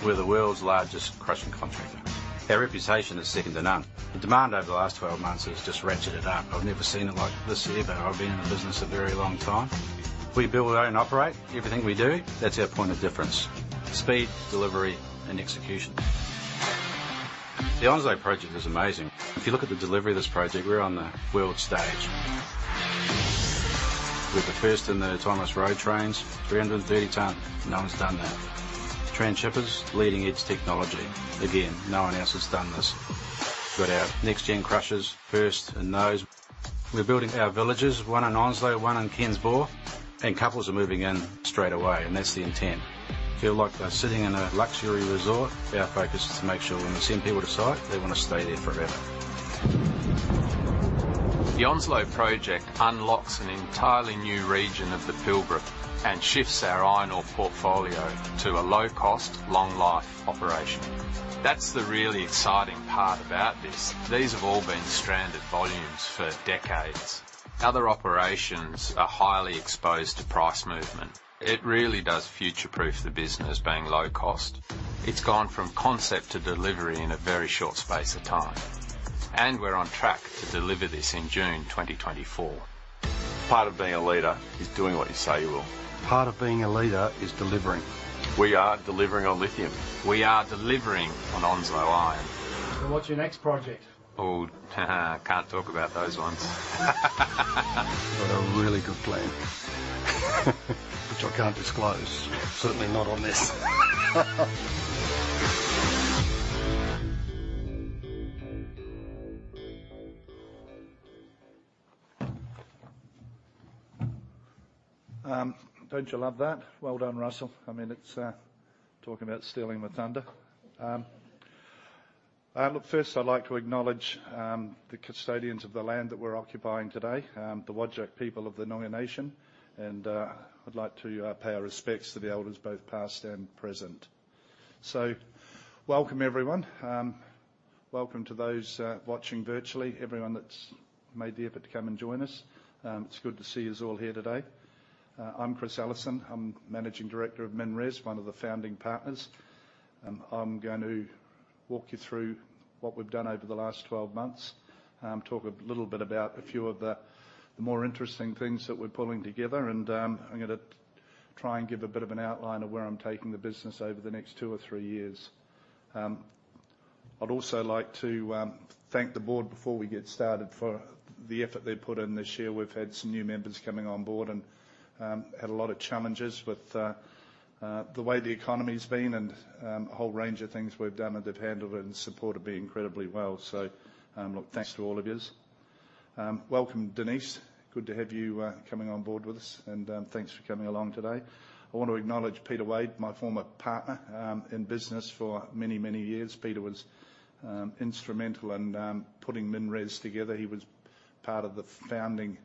We're the world's largest crushing contractor. Our reputation is second to none. The demand over the last 12 months has just ratcheted up. I've never seen it like this year, but I've been in the business a very long time. We build, own, and operate everything we do. That's our point of difference: speed, delivery, and execution. The Onslow project is amazing. If you look at the delivery of this project, we're on the world stage. We're the first in the autonomous rail trains, 330-ton. No one's done that. Transhippers, leading-edge technology. Again, no one else has done this. We've got our NextGen Crushers, first in those. We're building our villages, one on Onslow, one on Ken's Bore, and couples are moving in straight away, and that's the intent. Feel like they're sitting in a luxury resort. Our focus is to make sure when we send people to site, they want to stay there forever. The Onslow Project unlocks an entirely new region of the Pilbara and shifts our iron ore portfolio to a low-cost, long-life operation. That's the really exciting part about this. These have all been stranded volumes for decades. Other operations are highly exposed to price movement. It really does future-proof the business, being low cost. It's gone from concept to delivery in a very short space of time, and we're on track to deliver this in June 2024. Part of being a leader is doing what you say you will. Part of being a leader is delivering. We are delivering on lithium. We are delivering on Onslow Iron. What's your next project? Oh, can't talk about those ones. Got a really good plan, which I can't disclose. Certainly not on this. Don't you love that? Well done, Russell. I mean, it's talking about stealing my thunder. Look, first, I'd like to acknowledge the custodians of the land that we're occupying today, the Whadjuk people of the Noongar nation, and I'd like to pay our respects to the elders, both past and present. So welcome, everyone. Welcome to those watching virtually, everyone that's made the effort to come and join us. It's good to see youse all here today. I'm Chris Ellison. I'm Managing Director of MinRes, one of the founding partners, and I'm going to walk you through what we've done over the last 12 months. Talk a little bit about a few of the, the more interesting things that we're pulling together, and, I'm gonna try and give a bit of an outline of where I'm taking the business over the next two or three years. I'd also like to thank the board before we get started, for the effort they've put in this year. We've had some new members coming on board and had a lot of challenges with the way the economy's been and a whole range of things we've done, and they've handled it and supported me incredibly well. So, look, thanks to all of youse. Welcome, Denise. Good to have you coming on board with us, and thanks for coming along today. I want to acknowledge Peter Wade, my former partner in business for many, many years. Peter was instrumental in putting MinRes together. He was part of the founding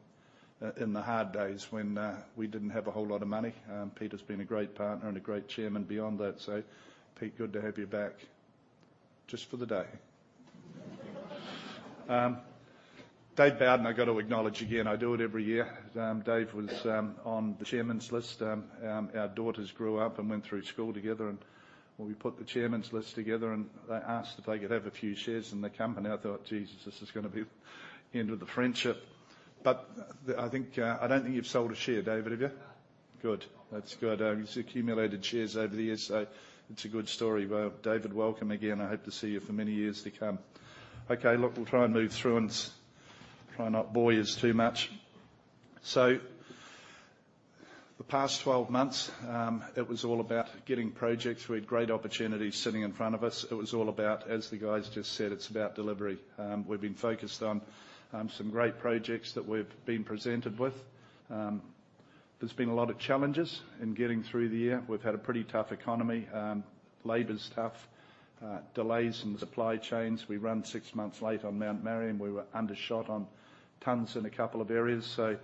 in the hard days when we didn't have a whole lot of money. Peter's been a great partner and a great chairman beyond that. So, Pete, good to have you back, just for the day. Dave Bowden, I got to acknowledge again. I do it every year. Dave was on the chairman's list. Our daughters grew up and went through school together, and when we put the chairman's list together, and they asked if they could have a few shares in the company, I thought, Jesus, this is gonna be the end of the friendship. But the... I think, I don't think you've sold a share, David, have you? Good. That's good. He's accumulated shares over the years, so it's a good story. Well, David, welcome again. I hope to see you for many years to come. Okay, look, we'll try and move through and try not bore youse too much. So the past 12 months, it was all about getting projects. We had great opportunities sitting in front of us. It was all about, as the guys just said, it's about delivery. We've been focused on some great projects that we've been presented with. There's been a lot of challenges in getting through the year. We've had a pretty tough economy, Labor's tough, delays in the supply chains. We ran 6 months late on Mount Marion. We were undershot on tons in a couple of areas, so,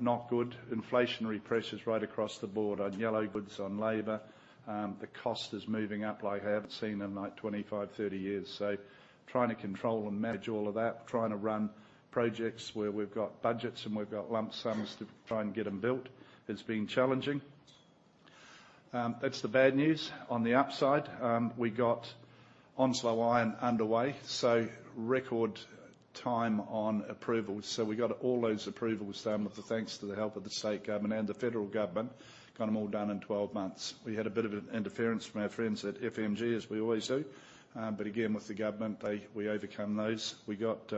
not good. Inflationary pressures right across the board on yellow goods, on labor. The cost is moving up like I haven't seen in like 25, 30 years. So trying to control and manage all of that, trying to run projects where we've got budgets and we've got lump sums to try and get them built, it's been challenging. That's the bad news. On the upside, we got Onslow Iron underway, so record time on approvals. So we got all those approvals done with the thanks to the help of the state government and the federal government, got them all done in 12 months. We had a bit of interference from our friends at FMG, as we always do. But again, with the government, they-- we overcome those. We got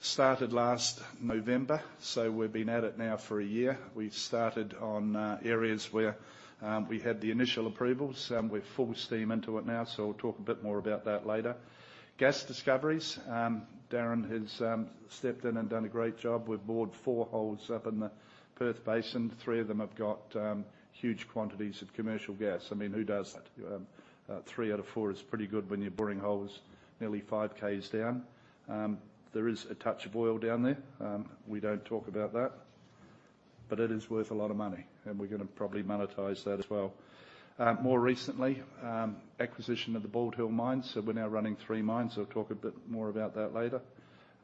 started last November, so we've been at it now for a year. We started on areas where we had the initial approvals, and we're full steam into it now, so I'll talk a bit more about that later. Gas discoveries. Darren has stepped in and done a great job. We've bored four holes up in the Perth Basin. Three of them have got huge quantities of commercial gas. I mean, who does that? Three out of four is pretty good when you're boring holes nearly 5 Ks down. There is a touch of oil down there. We don't talk about that, but it is worth a lot of money, and we're gonna probably monetize that as well. More recently, acquisition of the Bald Hill Mine, so we're now running three mines. I'll talk a bit more about that later.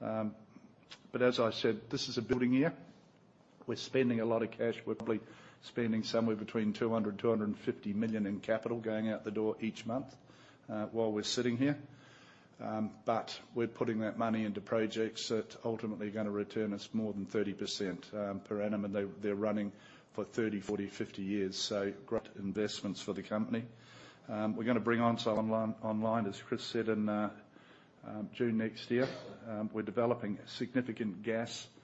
But as I said, this is a building year. We're spending a lot of cash. We're probably spending somewhere between 200 million and 250 million in capital going out the door each month while we're sitting here. But we're putting that money into projects that ultimately are gonna return us more than 30%, per annum, and they're running for 30, 40, 50 years, so great investments for the company. We're gonna bring Onslow Iron online, as Chris said, in June next year. We're developing significant gas projects,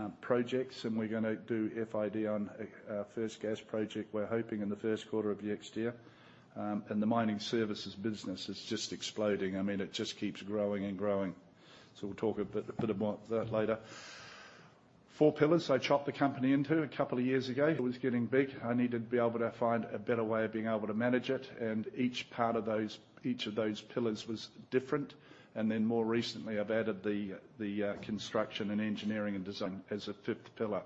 and we're gonna do FID on a first gas project, we're hoping in the first quarter of next year. And the mining services business is just exploding. I mean, it just keeps growing and growing. So we'll talk a bit about that later. Four pillars I chopped the company into a couple of years ago. It was getting big. I needed to be able to find a better way of being able to manage it, and each part of those, each of those pillars was different. And then more recently, I've added the construction and engineering and design as a fifth pillar.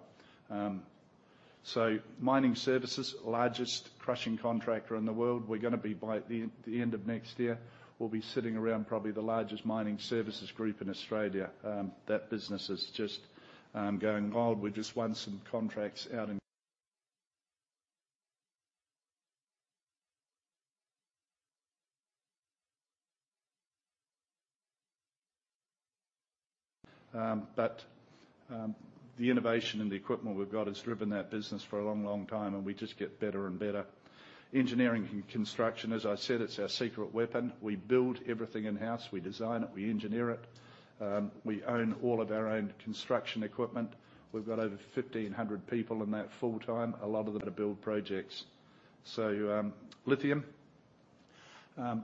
So mining services, largest crushing contractor in the world. We're gonna be by the end of next year, we'll be sitting around probably the largest mining services group in Australia. That business is just going wild. We just won some contracts, but the innovation and the equipment we've got has driven that business for a long, long time, and we just get better and better. Engineering and construction, as I said, it's our secret weapon. We build everything in-house. We design it, we engineer it. We own all of our own construction equipment. We've got over 1,500 people in that full time, a lot of them to build projects. So lithium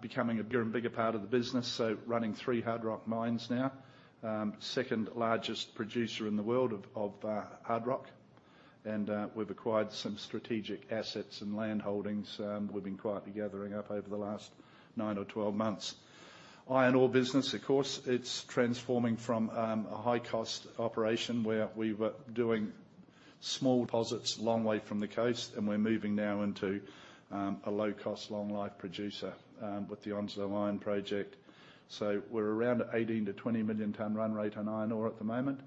becoming a bigger and bigger part of the business, so running three hard rock mines now. Second largest producer in the world of hard rock, and we've acquired some strategic assets and land holdings, we've been quietly gathering up over the last nine or 12 months. Iron ore business, of course, it's transforming from a high-cost operation where we were doing small deposits a long way from the coast, and we're moving now into a low-cost, long-life producer with the Onslow Iron project. So we're around 18-20 million ton run rate on iron ore at the moment,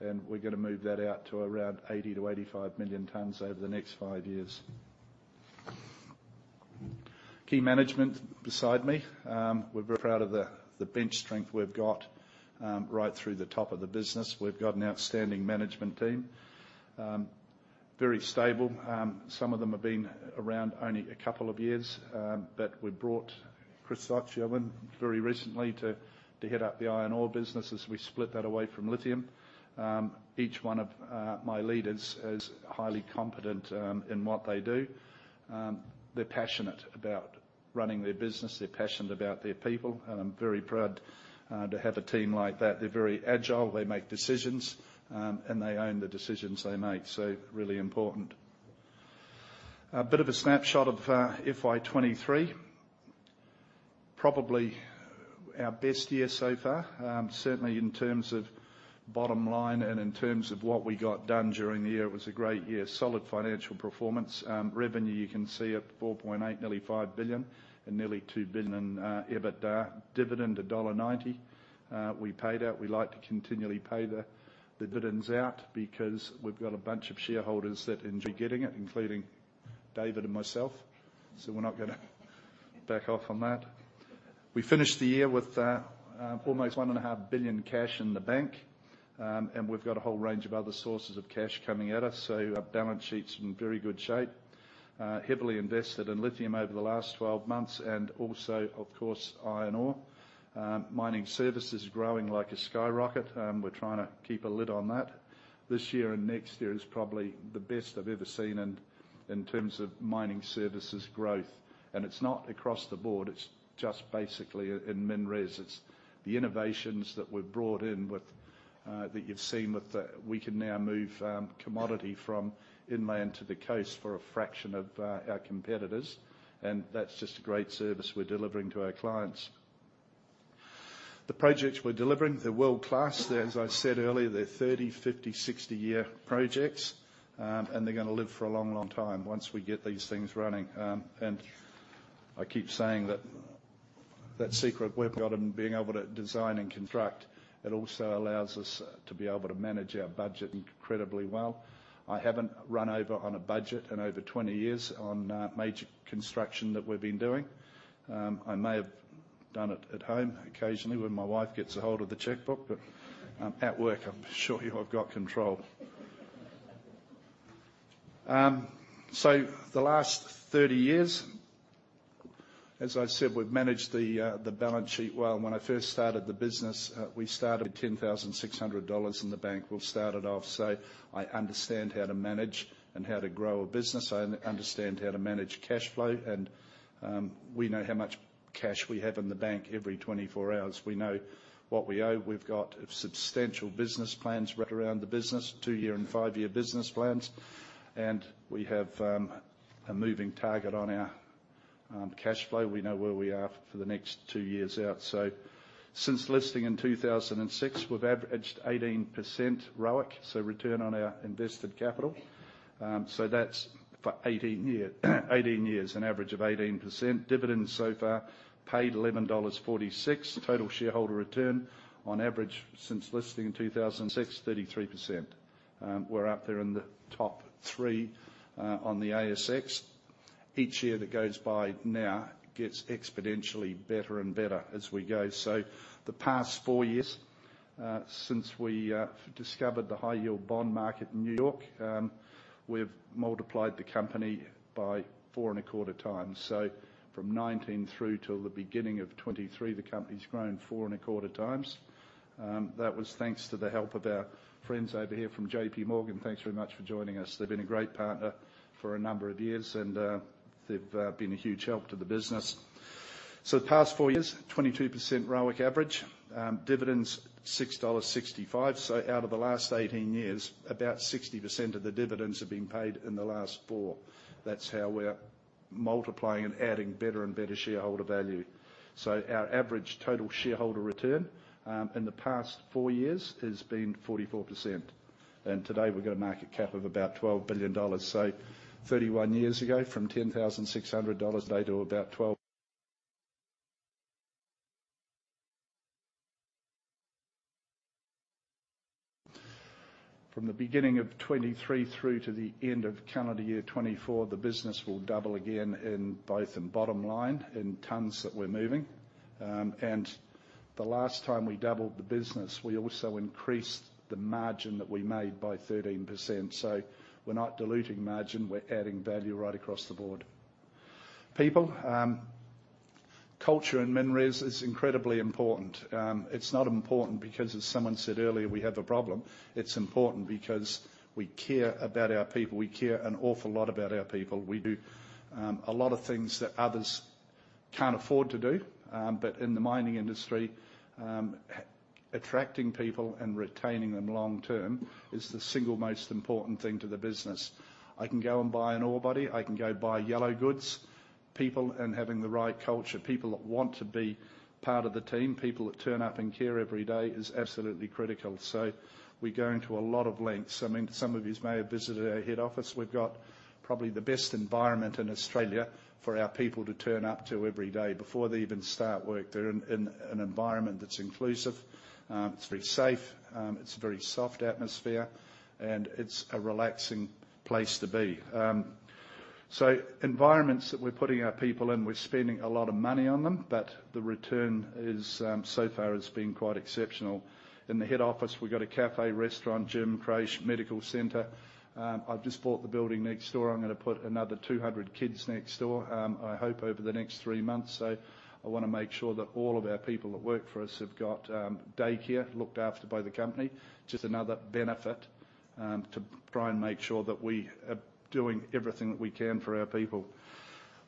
and we're gonna move that out to around 80-85 million tons over the next five years. Key management beside me. We're very proud of the bench strength we've got right through the top of the business. We've got an outstanding management team. Very stable. Some of them have been around only a couple of years, but we brought Chris Soccio in very recently to head up the iron ore business as we split that away from lithium. Each one of my leaders is highly competent in what they do. They're passionate about running their business, they're passionate about their people, and I'm very proud to have a team like that. They're very agile, they make decisions, and they own the decisions they make, so really important. A bit of a snapshot of FY 23. Probably our best year so far, certainly in terms of bottom line and in terms of what we got done during the year. It was a great year. Solid financial performance. Revenue, you can see at 4.8 billion, nearly 5 billion, and nearly 2 billion in EBITDA. Dividend, dollar 1.90, we paid out. We like to continually pay the, the dividends out because we've got a bunch of shareholders that enjoy getting it, including David and myself, so we're not gonna back off on that. We finished the year with, almost 1.5 billion cash in the bank, and we've got a whole range of other sources of cash coming at us, so our balance sheet's in very good shape. Heavily invested in lithium over the last 12 months and also, of course, iron ore. Mining services growing like a skyrocket. We're trying to keep a lid on that. This year and next year is probably the best I've ever seen in terms of mining services growth, and it's not across the board, it's just basically in MinRes. It's the innovations that we've brought in with that you've seen with the. We can now move commodity from inland to the coast for a fraction of our competitors, and that's just a great service we're delivering to our clients. The projects we're delivering, they're world-class. As I said earlier, they're 30-, 50-, 60-year projects, and they're gonna live for a long, long time once we get these things running. And I keep saying that, that secret we've got in being able to design and construct, it also allows us to be able to manage our budget incredibly well. I haven't run over on a budget in over 20 years on major construction that we've been doing. I may have done it at home occasionally, when my wife gets a hold of the checkbook, but at work, I'm sure you I've got control. So the last 30 years, as I said, we've managed the, the balance sheet well. When I first started the business, we started with 10,600 dollars in the bank. We've started off, so I understand how to manage and how to grow a business. I understand how to manage cash flow, and we know how much cash we have in the bank every 24 hours. We know what we owe. We've got substantial business plans right around the business, 2-year and 5-year business plans. We have a moving target on our cash flow. We know where we are for the next 2 years out. So since listing in 2006, we've averaged 18% ROIC, so return on our invested capital. So that's for 18-year, 18 years, an average of 18%. Dividends so far paid AUD 11.46. Total shareholder return, on average since listing in 2006, 33%. We're up there in the top 3 on the ASX. Each year that goes by now gets exponentially better and better as we go. So the past 4 years, since we discovered the high-yield bond market in New York, we've multiplied the company by 4.25 times. So from 2019 through to the beginning of 2023, the company's grown 4.25 times. That was thanks to the help of our friends over here from JPMorgan. Thanks very much for joining us. They've been a great partner for a number of years, and they've been a huge help to the business. So the past 4 years, 22% ROIC average. Dividends, 6.65 dollars. So out of the last 18 years, about 60% of the dividends have been paid in the last 4. That's how we're multiplying and adding better and better shareholder value. So our average total shareholder return, in the past 4 years has been 44%, and today we've got a market cap of about 12 billion dollars. So 31 years ago, from 10,600 dollars today to about 12- From the beginning of 2023 through to the end of calendar year 2024, the business will double again in both in bottom line, in tons that we're moving. And the last time we doubled the business, we also increased the margin that we made by 13%. So we're not diluting margin, we're adding value right across the board. People, culture in MinRes is incredibly important. It's not important because, as someone said earlier, we have a problem. It's important because we care about our people. We care an awful lot about our people. We do a lot of things that others can't afford to do. But in the mining industry, attracting people and retaining them long term is the single most important thing to the business. I can go and buy an ore body, I can go buy yellow goods. People, and having the right culture, people that want to be part of the team, people that turn up and care every day, is absolutely critical. So we go into a lot of lengths. I mean, some of you may have visited our head office. We've got probably the best environment in Australia for our people to turn up to every day. Before they even start work, they're in an environment that's inclusive. It's very safe, it's a very soft atmosphere, and it's a relaxing place to be. So environments that we're putting our people in, we're spending a lot of money on them, but the return is, so far has been quite exceptional. In the head office, we've got a cafe, restaurant, gym, creche, medical center. I've just bought the building next door. I'm gonna put another 200 kids next door, I hope over the next three months. So I wanna make sure that all of our people that work for us have got daycare looked after by the company. Just another benefit to try and make sure that we are doing everything that we can for our people.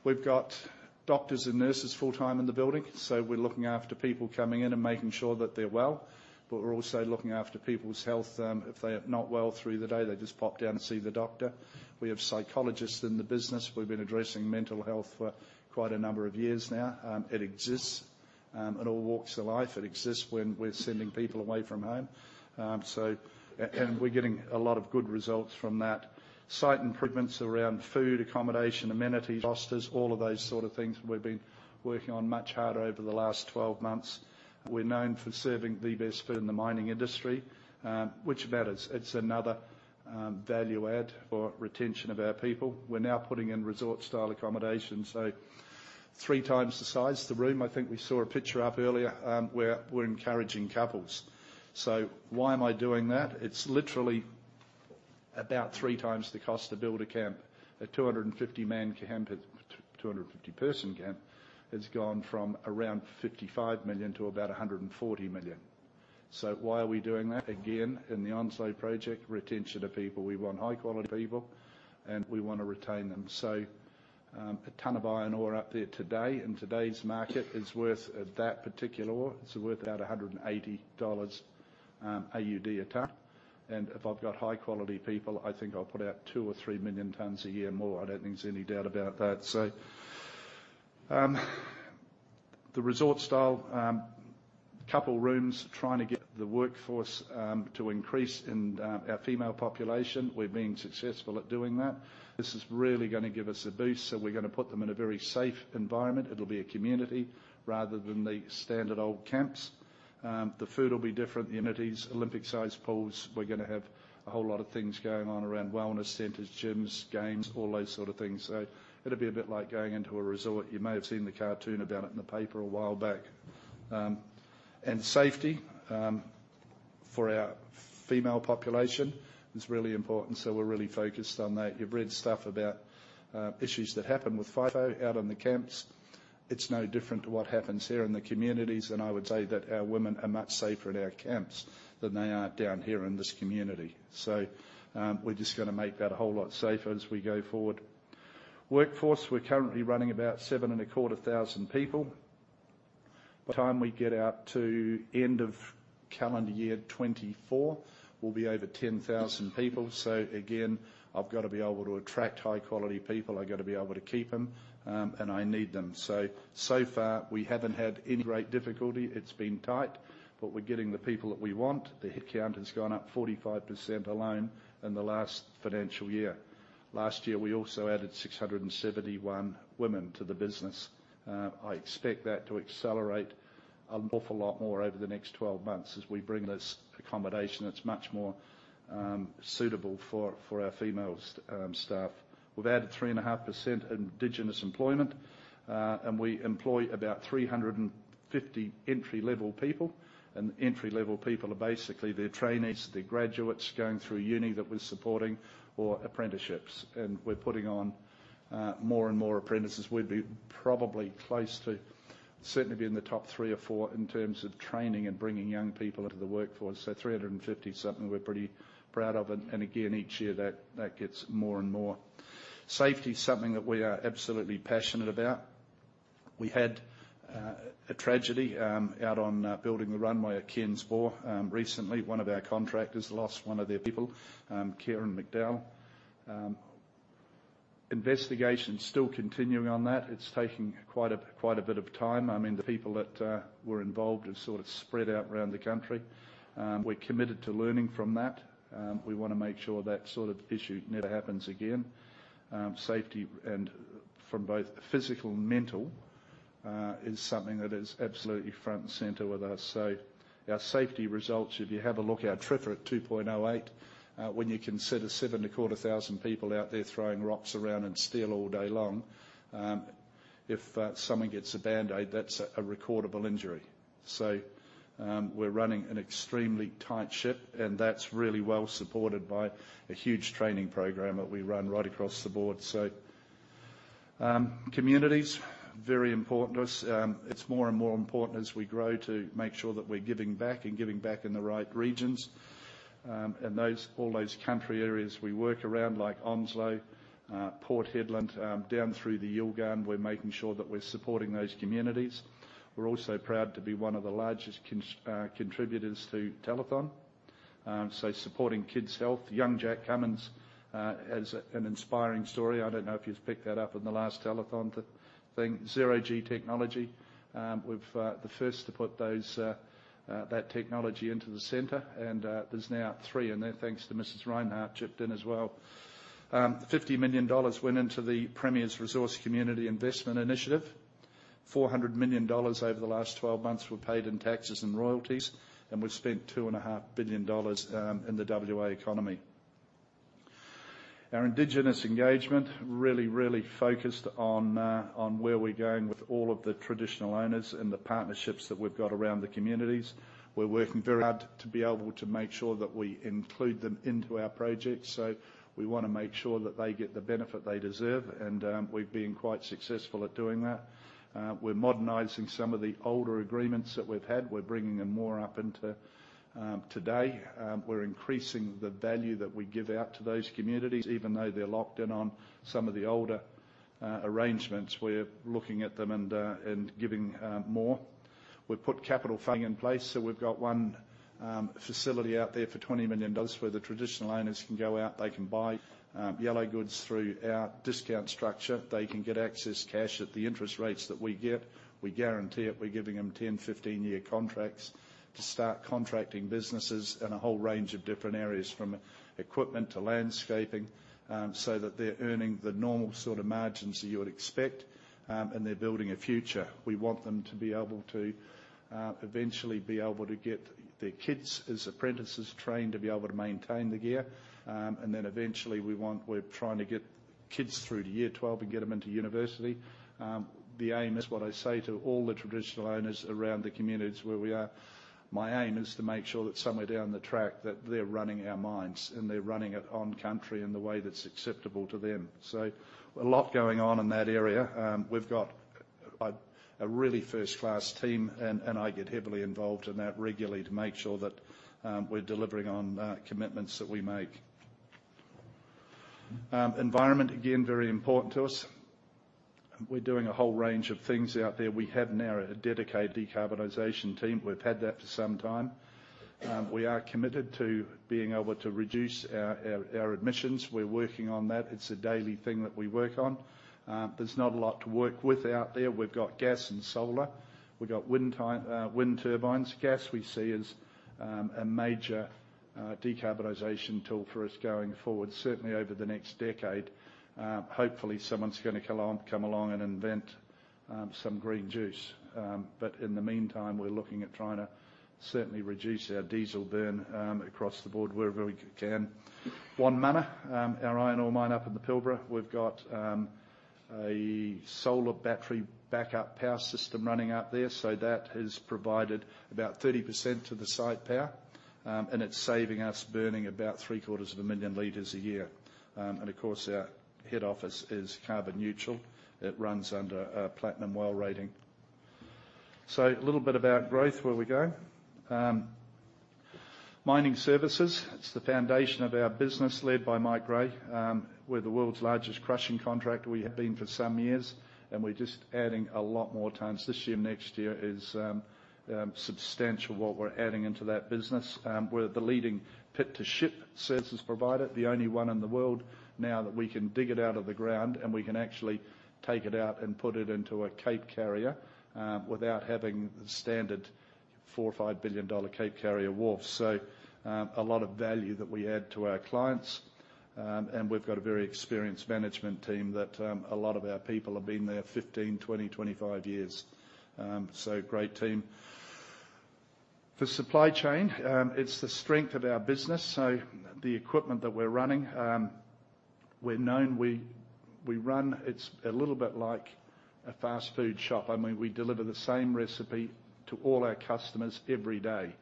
We've got doctors and nurses full-time in the building, so we're looking after people coming in and making sure that they're well, but we're also looking after people's health. If they are not well through the day, they just pop down and see the doctor. We have psychologists in the business. We've been addressing mental health for quite a number of years now. It exists in all walks of life. It exists when we're sending people away from home. And we're getting a lot of good results from that. Site improvements around food, accommodation, amenities, rosters, all of those sort of things we've been working on much harder over the last 12 months. We're known for serving the best food in the mining industry, which matters. It's another value add for retention of our people. We're now putting in resort-style accommodation, so three times the size of the room. I think we saw a picture up earlier. We're encouraging couples. So why am I doing that? It's literally about three times the cost to build a camp. A 250-man camp, a 250-per son camp, has gone from around 55 million to about 140 million. So why are we doing that? Again, in the onshore project, retention of people. We want high-quality people, and we want to retain them. So, a ton of iron ore up there today, in today's market, is worth, that particular ore, it's worth about 180 AUD a ton, and if I've got high-quality people, I think I'll put out 2 million or 3 million tons a year more. I don't think there's any doubt about that. So, the resort style couple rooms, trying to get the workforce to increase in our female population. We've been successful at doing that. This is really gonna give us a boost, so we're gonna put them in a very safe environment. It'll be a community rather than the standard old camps. The food will be different, the amenities, Olympic-sized pools. We're gonna have a whole lot of things going on around wellness centers, gyms, games, all those sort of things. So it'll be a bit like going into a resort. You may have seen the cartoon about it in the paper a while back. And safety, for our female population is really important, so we're really focused on that. You've read stuff about, issues that happen with FIFO out on the camps. It's no different to what happens here in the communities, and I would say that our women are much safer in our camps than they are down here in this community. So, we're just gonna make that a whole lot safer as we go forward. Workforce, we're currently running about 7,250 people. By the time we get out to end of calendar year 2024, we'll be over 10,000 people. So again, I've gotta be able to attract high-quality people. I've gotta be able to keep them, and I need them. So, so far, we haven't had any great difficulty. It's been tight, but we're getting the people that we want. The headcount has gone up 45% alone in the last financial year. Last year, we also added 671 women to the business. I expect that to accelerate an awful lot more over the next 12 months as we bring this accommodation that's much more suitable for our female staff. We've added 3.5% Indigenous employment, and we employ about 350 entry-level people. And entry-level people are basically they're trainees, they're graduates going through uni that we're supporting or apprenticeships, and we're putting on more and more apprentices. We'd be probably close to certainly be in the top three or four in terms of training and bringing young people into the workforce. So 350 is something we're pretty proud of, and again, each year that gets more and more. Safety is something that we are absolutely passionate about. We had a tragedy out on building the runway at Cairns Boar recently. One of our contractors lost one of their people, Keryn McDowell. Investigation is still continuing on that. It's taking quite a bit of time. I mean, the people that were involved have sort of spread out around the country. We're committed to learning from that. We wanna make sure that sort of issue never happens again. Safety and from both physical and mental is something that is absolutely front and center with us. So our safety results, if you have a look, our TRIFR at 2.08, when you consider 7,250 people out there throwing rocks around and steel all day long, if someone gets a Band-Aid, that's a recordable injury. So, we're running an extremely tight ship, and that's really well supported by a huge training program that we run right across the board. So, communities, very important to us. It's more and more important as we grow to make sure that we're giving back and giving back in the right regions. And those, all those country areas we work around, like Onslow, Port Hedland, down through the Yilgarn, we're making sure that we're supporting those communities. We're also proud to be one of the largest contributors to Telethon. Supporting kids' health. Young Jack Cummins has an inspiring story. I don't know if you've picked that up in the last Telethon thing. ZeroG Technology, we were the first to put that technology into the center, and there's now three in there, thanks to Mrs. Rinehart, chipped in as well. 50 million dollars went into the Premier's Resources Community Investment Initiative. 400 million dollars over the last 12 months were paid in taxes and royalties, and we've spent 2.5 billion dollars in the WA economy. Our Indigenous engagement really, really focused on where we're going with all of the traditional owners and the partnerships that we've got around the communities. We're working very hard to be able to make sure that we include them into our projects. So we wanna make sure that they get the benefit they deserve, and we've been quite successful at doing that. We're modernizing some of the older agreements that we've had. We're bringing them more up into today. We're increasing the value that we give out to those communities, even though they're locked in on some of the older arrangements. We're looking at them and giving more. We've put capital funding in place, so we've got one facility out there for 20 million dollars, where the traditional owners can go out, they can buy yellow goods through our discount structure. They can get access cash at the interest rates that we get. We guarantee it. We're giving them 10-15-year contracts to start contracting businesses in a whole range of different areas, from equipment to landscaping, so that they're earning the normal sort of margins that you would expect, and they're building a future. We want them to be able to, eventually be able to get their kids as apprentices trained to be able to maintain the gear. And then eventually, we want, we're trying to get kids through to year 12 and get them into university. The aim is, what I say to all the traditional owners around the communities where we are, my aim is to make sure that somewhere down the track, that they're running our mines, and they're running it on country in the way that's acceptable to them. So a lot going on in that area. We've got a really first-class team, and I get heavily involved in that regularly to make sure that we're delivering on commitments that we make. Environment, again, very important to us. We're doing a whole range of things out there. We have now a dedicated decarbonization team. We've had that for some time. We are committed to being able to reduce our emissions. We're working on that. It's a daily thing that we work on. There's not a lot to work with out there. We've got gas and solar. We've got wind turbines. Gas we see as a major decarbonization tool for us going forward, certainly over the next decade. Hopefully, someone's gonna come along and invent some green juice. But in the meantime, we're looking at trying to certainly reduce our diesel burn across the board wherever we can. Wonmunna, our iron ore mine up in the Pilbara, we've got a solar battery backup power system running out there, so that has provided about 30% to the site power. And it's saving us burning about 750,000 liters a year. And of course, our head office is carbon neutral. It runs under a Platinum WELL rating. So a little bit about growth, where we go. Mining services, it's the foundation of our business, led by Mike Grey. We're the world's largest crushing contractor. We have been for some years, and we're just adding a lot more tons. This year, next year is substantial, what we're adding into that business. We're the leading Pit-to-Ship services provider, the only one in the world now that we can dig it out of the ground, and we can actually take it out and put it into a Cape carrier, without having the standard 4 billion or 5 billion dollar Cape carrier wharf. So, a lot of value that we add to our clients. And we've got a very experienced management team that, a lot of our people have been there 15, 20, 25 years. So great team. For supply chain, it's the strength of our business, so the equipment that we're running, we're known. We run. It's a little bit like a fast food shop. I mean, we deliver the same recipe to all our customers every day.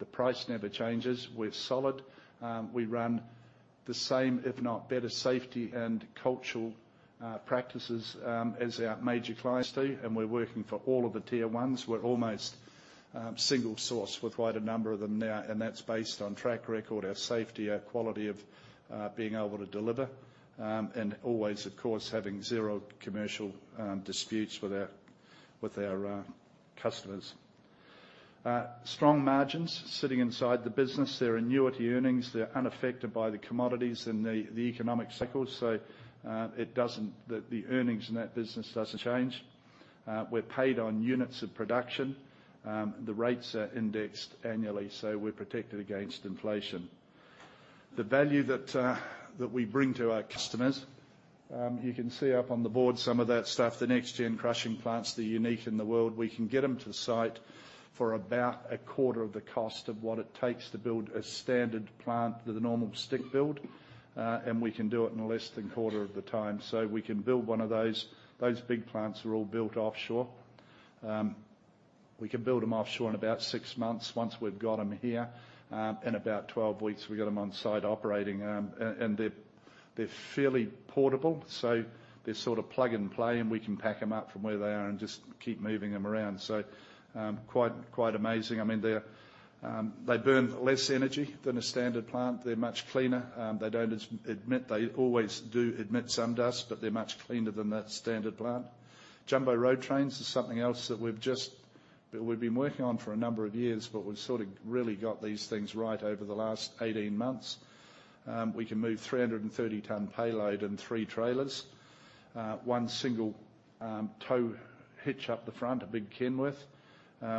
The price never changes. We're solid. We run the same, if not better, safety and cultural practices as our major clients do, and we're working for all of the tier ones. We're almost single source with quite a number of them now, and that's based on track record, our safety, our quality of being able to deliver. And always, of course, having zero commercial disputes with our customers. Strong margins sitting inside the business. They're annuity earnings. They're unaffected by the commodities and the economic cycles, so it doesn't, the earnings in that business doesn't change. We're paid on units of production. The rates are indexed annually, so we're protected against inflation. The value that we bring to our customers, you can see up on the board some of that stuff. The Next-Gen crushing plants, they're unique in the world. We can get them to the site for about a quarter of the cost of what it takes to build a standard plant with a normal stick build. And we can do it in less than a quarter of the time. So we can build one of those. Those big plants are all built offshore. We can build them offshore in about six months. Once we've got them here, in about 12 weeks, we've got them on site operating. And they're fairly portable, so they're sort of plug and play, and we can pack them up from where they are and just keep moving them around. So quite amazing. I mean, they're, they burn less energy than a standard plant. They're much cleaner. They don't emit. They always do emit some dust, but they're much cleaner than that standard plant. Jumbo road trains is something else that we've been working on for a number of years, but we've sort of really got these things right over the last 18 months. We can move 330-ton payload in three trailers. One single tow hitch up the front, a big Kenworth.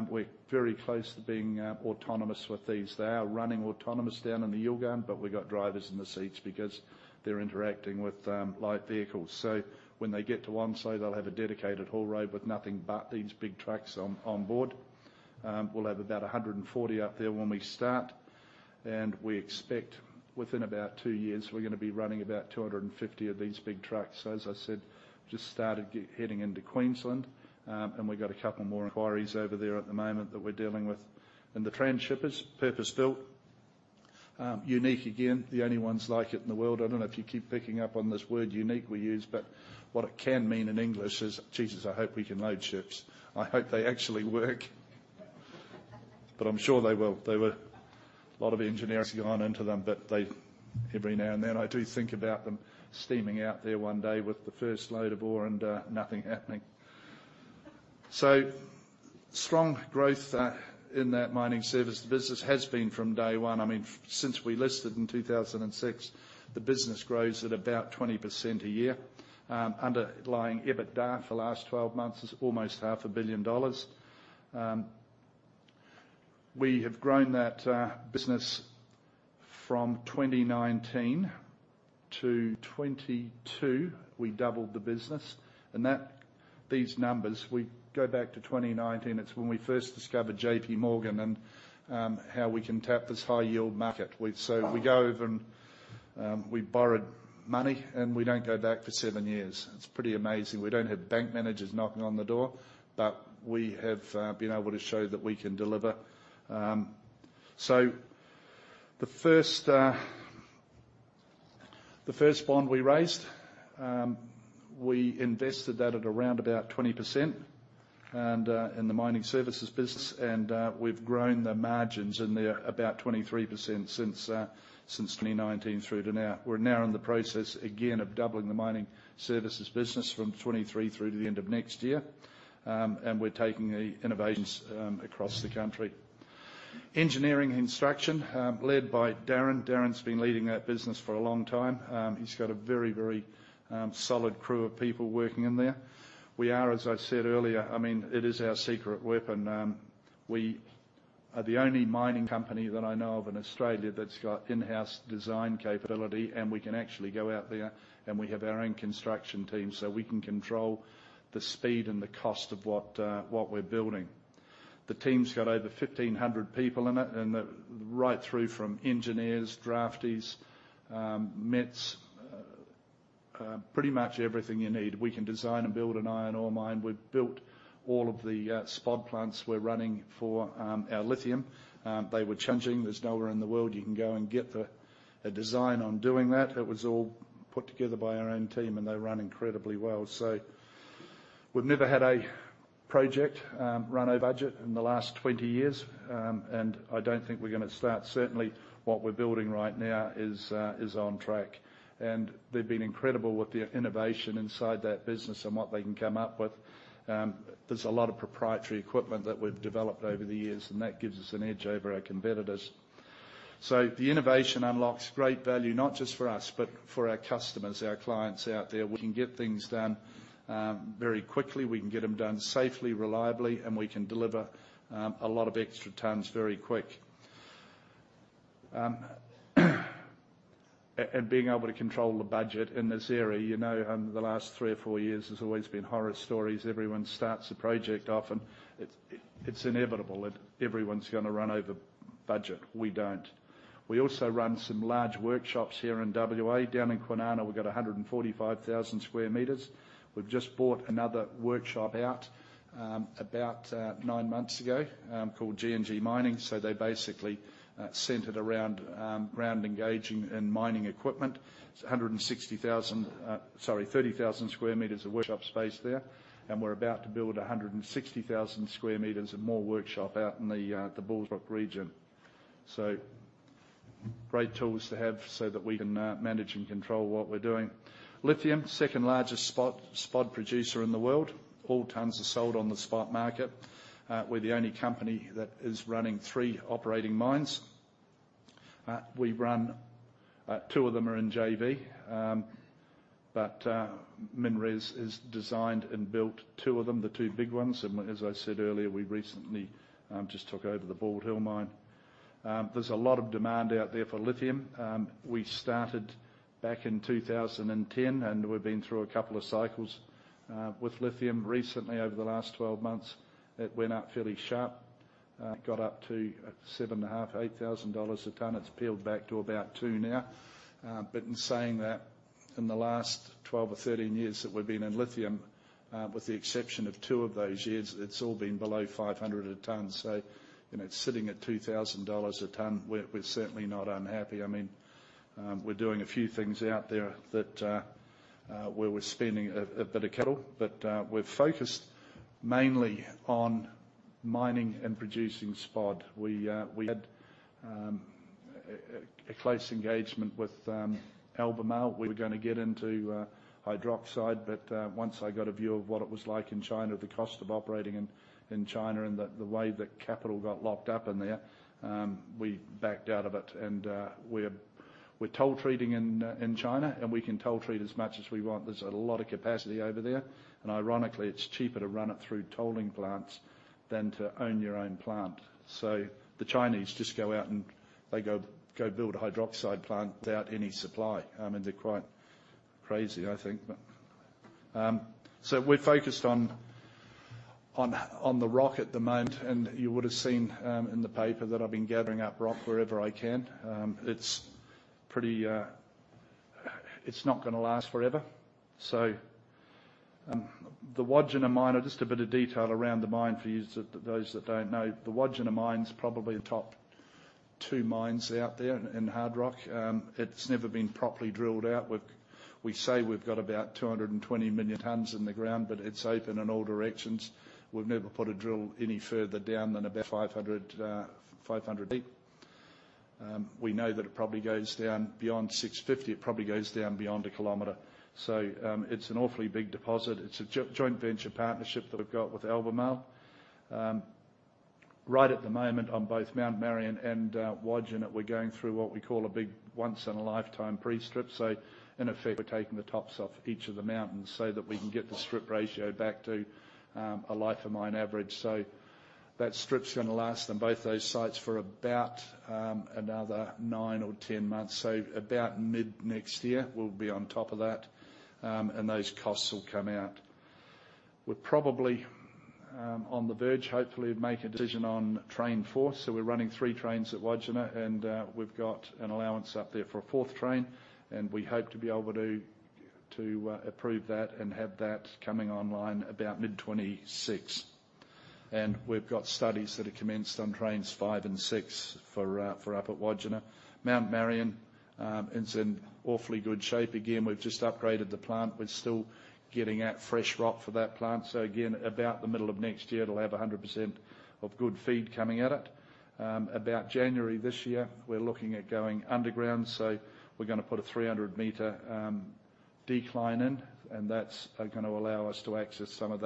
We're very close to being autonomous with these. They are running autonomous down in the Yilgarn, but we've got drivers in the seats because they're interacting with live vehicles. So when they get to Wonmunna, they'll have a dedicated haul road with nothing but these big trucks onboard. We'll have about 140 up there when we start, and we expect within about 2 years, we're gonna be running about 250 of these big trucks. So as I said, just started heading into Queensland, and we've got a couple more inquiries over there at the moment that we're dealing with. And the tranship is purpose-built, unique, again, the only ones like it in the world. I don't know if you keep picking up on this word, unique, we use, but what it can mean in English is, "Jesus, I hope we can load ships. I hope they actually work." But I'm sure they will. There were a lot of engineers gone into them, but they... Every now and then, I do think about them steaming out there one day with the first load of ore and, nothing happening. So strong growth in that mining service. The business has been from day one. I mean, since we listed in 2006, the business grows at about 20% a year. Underlying EBITDA for the last 12 months is almost 500 million dollars. We have grown that business from 201-2022. We doubled the business. And that, these numbers, we go back to 2019, it's when we first discovered JP Morgan, and how we can tap this high-yield market. So we go over and we borrowed money, and we don't go back for seven years. It's pretty amazing. We don't have bank managers knocking on the door, but we have been able to show that we can deliver. So the first bond we raised-... We invested that at around about 20%, and, in the mining services business, and, we've grown the margins, and they're about 23% since, since 2019 through to now. We're now in the process, again, of doubling the mining services business from 23 through to the end of next year. And we're taking the innovations, across the country. Engineering and construction, led by Darren. Darren's been leading that business for a long time. He's got a very, very, solid crew of people working in there. We are, as I said earlier, I mean, it is our secret weapon. We are the only mining company that I know of in Australia that's got in-house design capability, and we can actually go out there, and we have our own construction team, so we can control the speed and the cost of what we're building. The team's got over 1,500 people in it, and they're right through from engineers, draftees, mets, pretty much everything you need. We can design and build an iron ore mine. We've built all of the spod plants we're running for our lithium. They were changing. There's nowhere in the world you can go and get a design on doing that. It was all put together by our own team, and they run incredibly well. So we've never had a project run over budget in the last 20 years, and I don't think we're gonna start. Certainly, what we're building right now is on track. And they've been incredible with the innovation inside that business and what they can come up with. There's a lot of proprietary equipment that we've developed over the years, and that gives us an edge over our competitors. So the innovation unlocks great value, not just for us, but for our customers, our clients out there. We can get things done very quickly. We can get them done safely, reliably, and we can deliver a lot of extra tons very quick. And being able to control the budget in this area, you know, the last 3 or 4 years has always been horror stories. Everyone starts a project off, and it's inevitable that everyone's gonna run over budget. We don't. We also run some large workshops here in WA. Down in Kwinana, we've got 145,000 square meters. We've just bought another workshop out about nine months ago called G&G Mining. So they basically centered around ground engaging and mining equipment. It's 30,000 square meters of workshop space there, and we're about to build 160,000 square meters of more workshop out in the Bullsbrook region. So great tools to have so that we can manage and control what we're doing. Lithium, second-largest spod producer in the world. All tons are sold on the spod market. We're the only company that is running three operating mines. We run, two of them are in JV, but MinRes has designed and built two of them, the two big ones. And as I said earlier, we recently just took over the Bald Hill mine. There's a lot of demand out there for lithium. We started back in 2010, and we've been through a couple of cycles with lithium. Recently, over the last 12 months, it went up fairly sharp. It got up to $7,500-$8,000 a ton. It's peeled back to about two now. But in saying that, in the last 12 or 13 years that we've been in lithium, with the exception of two of those years, it's all been below $500 a ton. So, you know, it's sitting at $2,000 a ton. We're certainly not unhappy. I mean, we're doing a few things out there that where we're spending a bit of capital, but we're focused mainly on mining and producing spod. We had a close engagement with Albemarle. We were gonna get into hydroxide, but once I got a view of what it was like in China, the cost of operating in China and the way that capital got locked up in there, we backed out of it. And we're toll treating in China, and we can toll treat as much as we want. There's a lot of capacity over there, and ironically, it's cheaper to run it through tolling plants than to own your own plant. So the Chinese just go out, and they go build a hydroxide plant without any supply. I mean, they're quite crazy, I think. But, so we're focused on, on, on the rock at the moment, and you would have seen, in the paper that I've been gathering up rock wherever I can. It's pretty... It's not gonna last forever. So, the Wodgina Mine are just a bit of detail around the mine for yous, those that don't know. The Wodgina Mine's probably the top two mines out there in, in hard rock. It's never been properly drilled out. We've-- we say we've got about 220 million tons in the ground, but it's open in all directions. We've never put a drill any further down than about 500, 500 deep. We know that it probably goes down beyond 650. It probably goes down beyond a kilometer. It's an awfully big deposit. It's a joint venture partnership that we've got with Albemarle. Right at the moment on both Mount Marion and Wodgina, we're going through what we call a big once-in-a-lifetime pre-strip. So in effect, we're taking the tops off each of the mountains so that we can get the strip ratio back to a life of mine average. So that strip's gonna last on both those sites for about another 9 or 10 months. So about mid-next year, we'll be on top of that, and those costs will come out. We're probably on the verge, hopefully, of making a decision on train four. So we're running 3 trains at Wodgina, and we've got an allowance up there for a 4th train, and we hope to be able to approve that and have that coming online about mid-2026... and we've got studies that are commenced on trains 5 and 6 for up at Wodgina. Mount Marion, it's in awfully good shape. Again, we've just upgraded the plant. We're still getting out fresh rock for that plant. So again, about the middle of next year, it'll have 100% of good feed coming at it. About January this year, we're looking at going underground, so we're gonna put a 300-meter decline in, and that's gonna allow us to access some of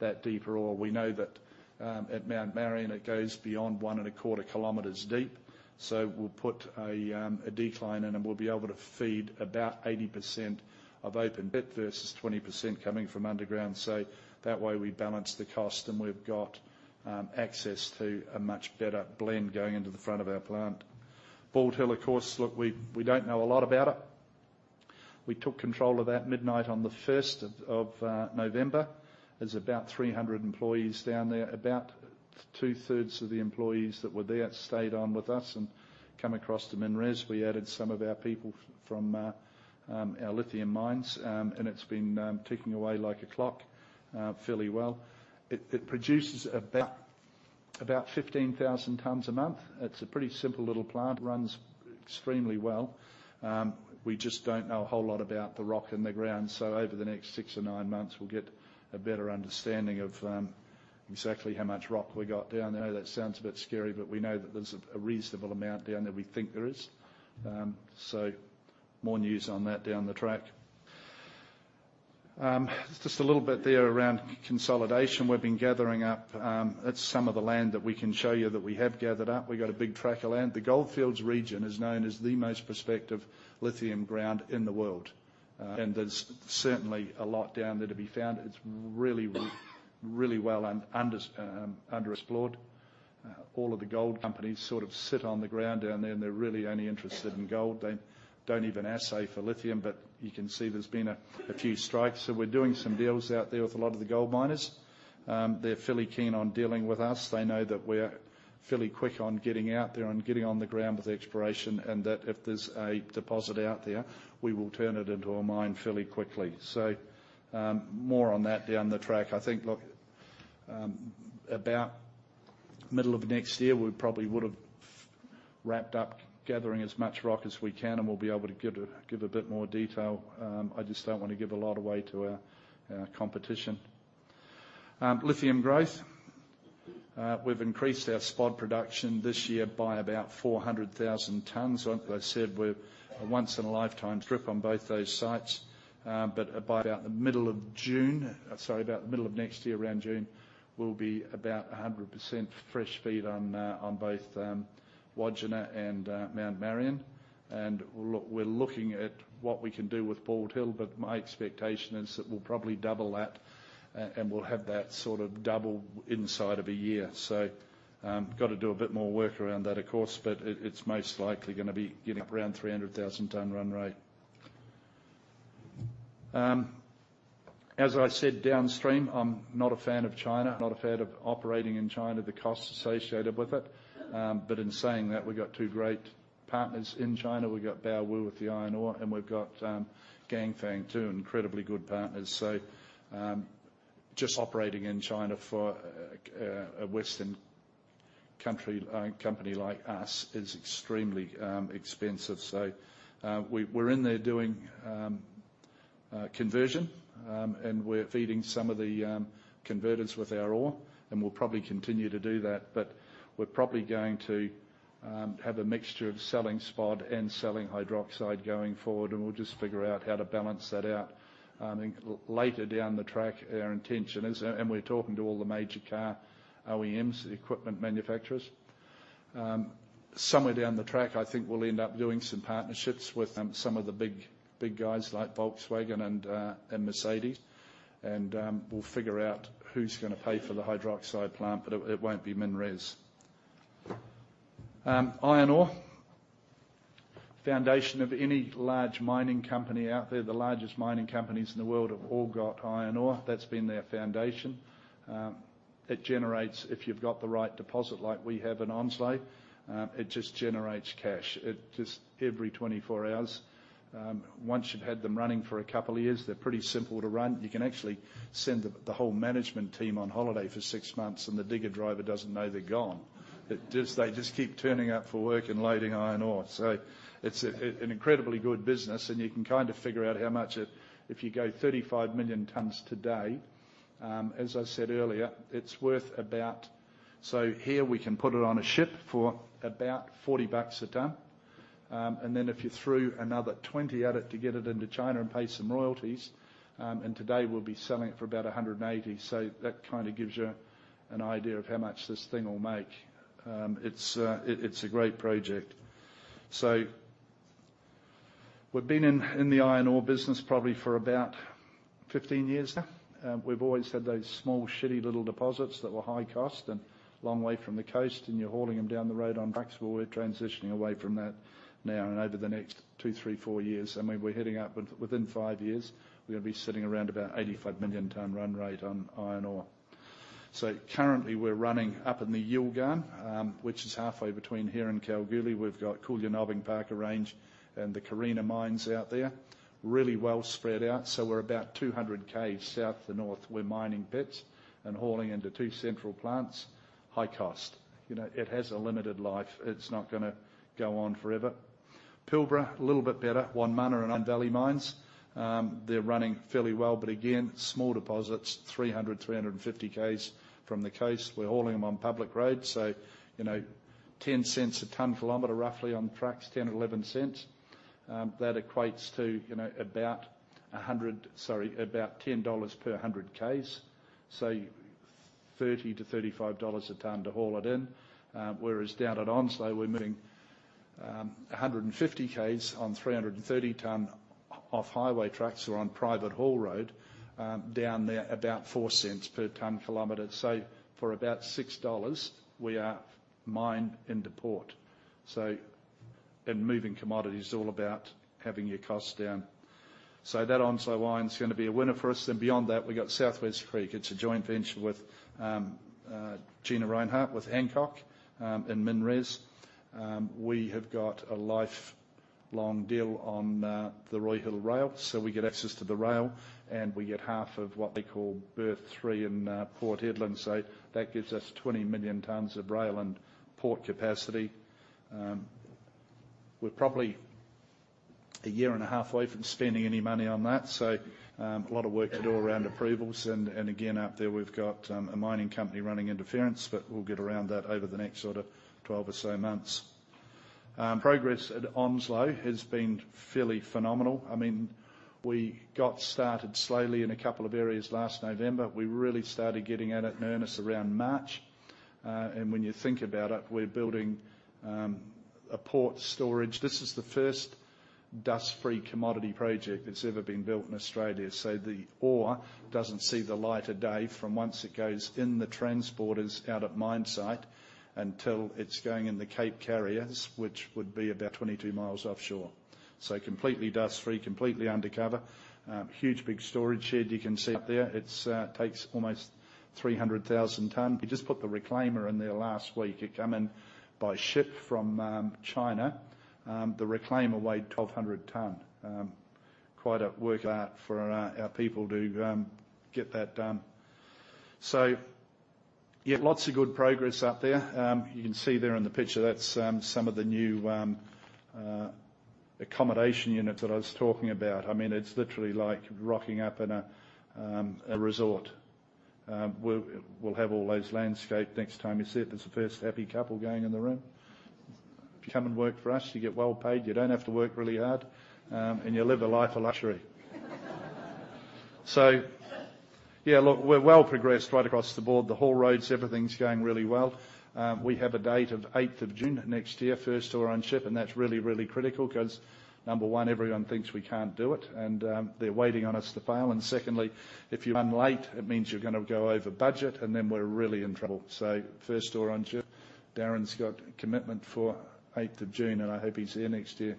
that deeper ore. We know that at Mount Marion, it goes beyond 1.25 kilometers deep. So we'll put a decline in, and we'll be able to feed about 80% of open pit versus 20% coming from underground. So that way, we balance the cost, and we've got access to a much better blend going into the front of our plant. Bald Hill, of course, we don't know a lot about it. We took control of that midnight on the first of November. There's about 300 employees down there. About two-thirds of the employees that were there stayed on with us and come across to MinRes. We added some of our people from our lithium mines, and it's been ticking away like a clock fairly well. It produces about 15,000 tons a month. It's a pretty simple little plant, runs extremely well. We just don't know a whole lot about the rock in the ground, so over the next six or nine months, we'll get a better understanding of exactly how much rock we got down there. I know that sounds a bit scary, but we know that there's a reasonable amount down there. We think there is. So more news on that down the track. Just a little bit there around consolidation. We've been gathering up at some of the land that we can show you that we have gathered up. We got a big tract of land. The Goldfields region is known as the most prospective lithium ground in the world, and there's certainly a lot down there to be found. It's really, really well underexplored. All of the gold companies sort of sit on the ground down there, and they're really only interested in gold. They don't even assay for lithium, but you can see there's been a few strikes, so we're doing some deals out there with a lot of the gold miners. They're fairly keen on dealing with us. They know that we're fairly quick on getting out there and getting on the ground with exploration, and that if there's a deposit out there, we will turn it into a mine fairly quickly. So, more on that down the track. I think, look, about middle of next year, we probably would have wrapped up gathering as much rock as we can, and we'll be able to give a bit more detail. I just don't want to give a lot away to our competition. Lithium growth. We've increased our spod production this year by about 400,000 tons. Like I said, we're a once in a lifetime drip on both those sites. But by about the middle of June, sorry, about the middle of next year, around June, we'll be about 100% fresh feed on both Wodgina and Mount Marion. And look, we're looking at what we can do with Bald Hill, but my expectation is that we'll probably double that, and we'll have that sort of double inside of a year. So, got to do a bit more work around that, of course, but it, it's most likely gonna be getting up around 300,000-ton run rate. As I said, downstream, I'm not a fan of China, not a fan of operating in China, the costs associated with it. But in saying that, we've got two great partners in China. We've got Baowu with the iron ore, and we've got Ganfeng, too. Incredibly good partners. So, just operating in China for a western country company like us is extremely expensive. So, we're in there doing conversion, and we're feeding some of the converters with our ore, and we'll probably continue to do that. But we're probably going to have a mixture of selling spod and selling hydroxide going forward, and we'll just figure out how to balance that out. Later down the track, our intention is, and we're talking to all the major car OEMs, equipment manufacturers. Somewhere down the track, I think we'll end up doing some partnerships with some of the big, big guys like Volkswagen and and Mercedes, and we'll figure out who's gonna pay for the hydroxide plant, but it won't be MinRes. Iron ore. Foundation of any large mining company out there, the largest mining companies in the world have all got iron ore. That's been their foundation. It generates, if you've got the right deposit like we have in Onslow, it just generates cash. It just every 24 hours. Once you've had them running for a couple of years, they're pretty simple to run. You can actually send the whole management team on holiday for 6 months, and the digger driver doesn't know they're gone. It just. They just keep turning up for work and loading iron ore. It's an incredibly good business, and you can kind of figure out how much it... If you go 35 million tons today, as I said earlier, it's worth about... Here, we can put it on a ship for about $40 a ton. And then if you threw another $20 at it to get it into China and pay some royalties, and today we'll be selling it for about $180. So that kind of gives you an idea of how much this thing will make. It's a great project. So we've been in the iron ore business probably for about 15 years now. We've always had those small, shitty little deposits that were high cost and long way from the coast, and you're hauling them down the road on trucks. Well, we're transitioning away from that now and over the next 2, 3, 4 years. And we, we're heading up within 5 years, we're gonna be sitting around about 85 million ton run rate on iron ore. So currently, we're running up in the Yilgarn, which is halfway between here and Kalgoorlie. We've got Koolyanobbing Parker Range and the Carina mines out there. Really well spread out, so we're about 200 K south to north. We're mining pits and hauling into two central plants. High cost. You know, it has a limited life. It's not gonna go on forever. Pilbara, a little bit better, Wonmunna and Valley Mines. They're running fairly well, but again, small deposits, 300, 350 Ks from the coast. We're hauling them on public roads, so, you know, 0.10/ton kilometer, roughly, on trucks, 0.10-0.11. That equates to, you know, about a hundred... Sorry, about 10 dollars per 100 km, so 30-35 dollars a ton to haul it in. Whereas down at Onslow, we're moving a hundred and fifty km on 330-ton off-highway trucks or on private haul road, down there about 0.04/ton kilometer. So for about 6 dollars, we are mine into port. So, and moving commodity is all about having your costs down. So that Onslow Iron is gonna be a winner for us. Then beyond that, we've got South West Creek. It's a joint venture with, Gina Rinehart, with Hancock, and MinRes. We have got a lifelong deal on the Roy Hill rail, so we get access to the rail, and we get half of what they call Berth Three in Port Hedland. So that gives us 20 million tons of rail and port capacity. We're probably a year and a half away from spending any money on that, so a lot of work to do around approvals, and again, out there, we've got a mining company running interference, but we'll get around that over the next sort of 12 or so months. Progress at Onslow has been fairly phenomenal. I mean, we got started slowly in a couple of areas last November. We really started getting at it in earnest around March. And when you think about it, we're building a port storage. This is the first dust-free commodity project that's ever been built in Australia. So the ore doesn't see the light of day from once it goes in the transporters out of mine site, until it's going in the Cape carriers, which would be about 22 miles offshore. So completely dust-free, completely undercover. Huge, big storage shed you can see up there. It's takes almost 300,000 ton. We just put the reclaimer in there last week. It come in by ship from China. The reclaimer weighed 1,200 ton. Quite a work out for our, our people to get that done. So yeah, lots of good progress out there. You can see there in the picture, that's some of the new accommodation units that I was talking about. I mean, it's literally like rocking up in a, a resort. We'll, we'll have all those landscaped next time you see it. That's the first happy couple going in the room. If you come and work for us, you get well paid, you don't have to work really hard, and you live a life of luxury. So, yeah, look, we're well progressed right across the board. The haul roads, everything's going really well. We have a date of 8th of June next year, first ore on ship, and that's really, really critical because, number one, everyone thinks we can't do it, and, they're waiting on us to fail. And secondly, if you run late, it means you're gonna go over budget, and then we're really in trouble. So first ore on ship, Darren's got a commitment for eighth of June, and I hope he's here next year.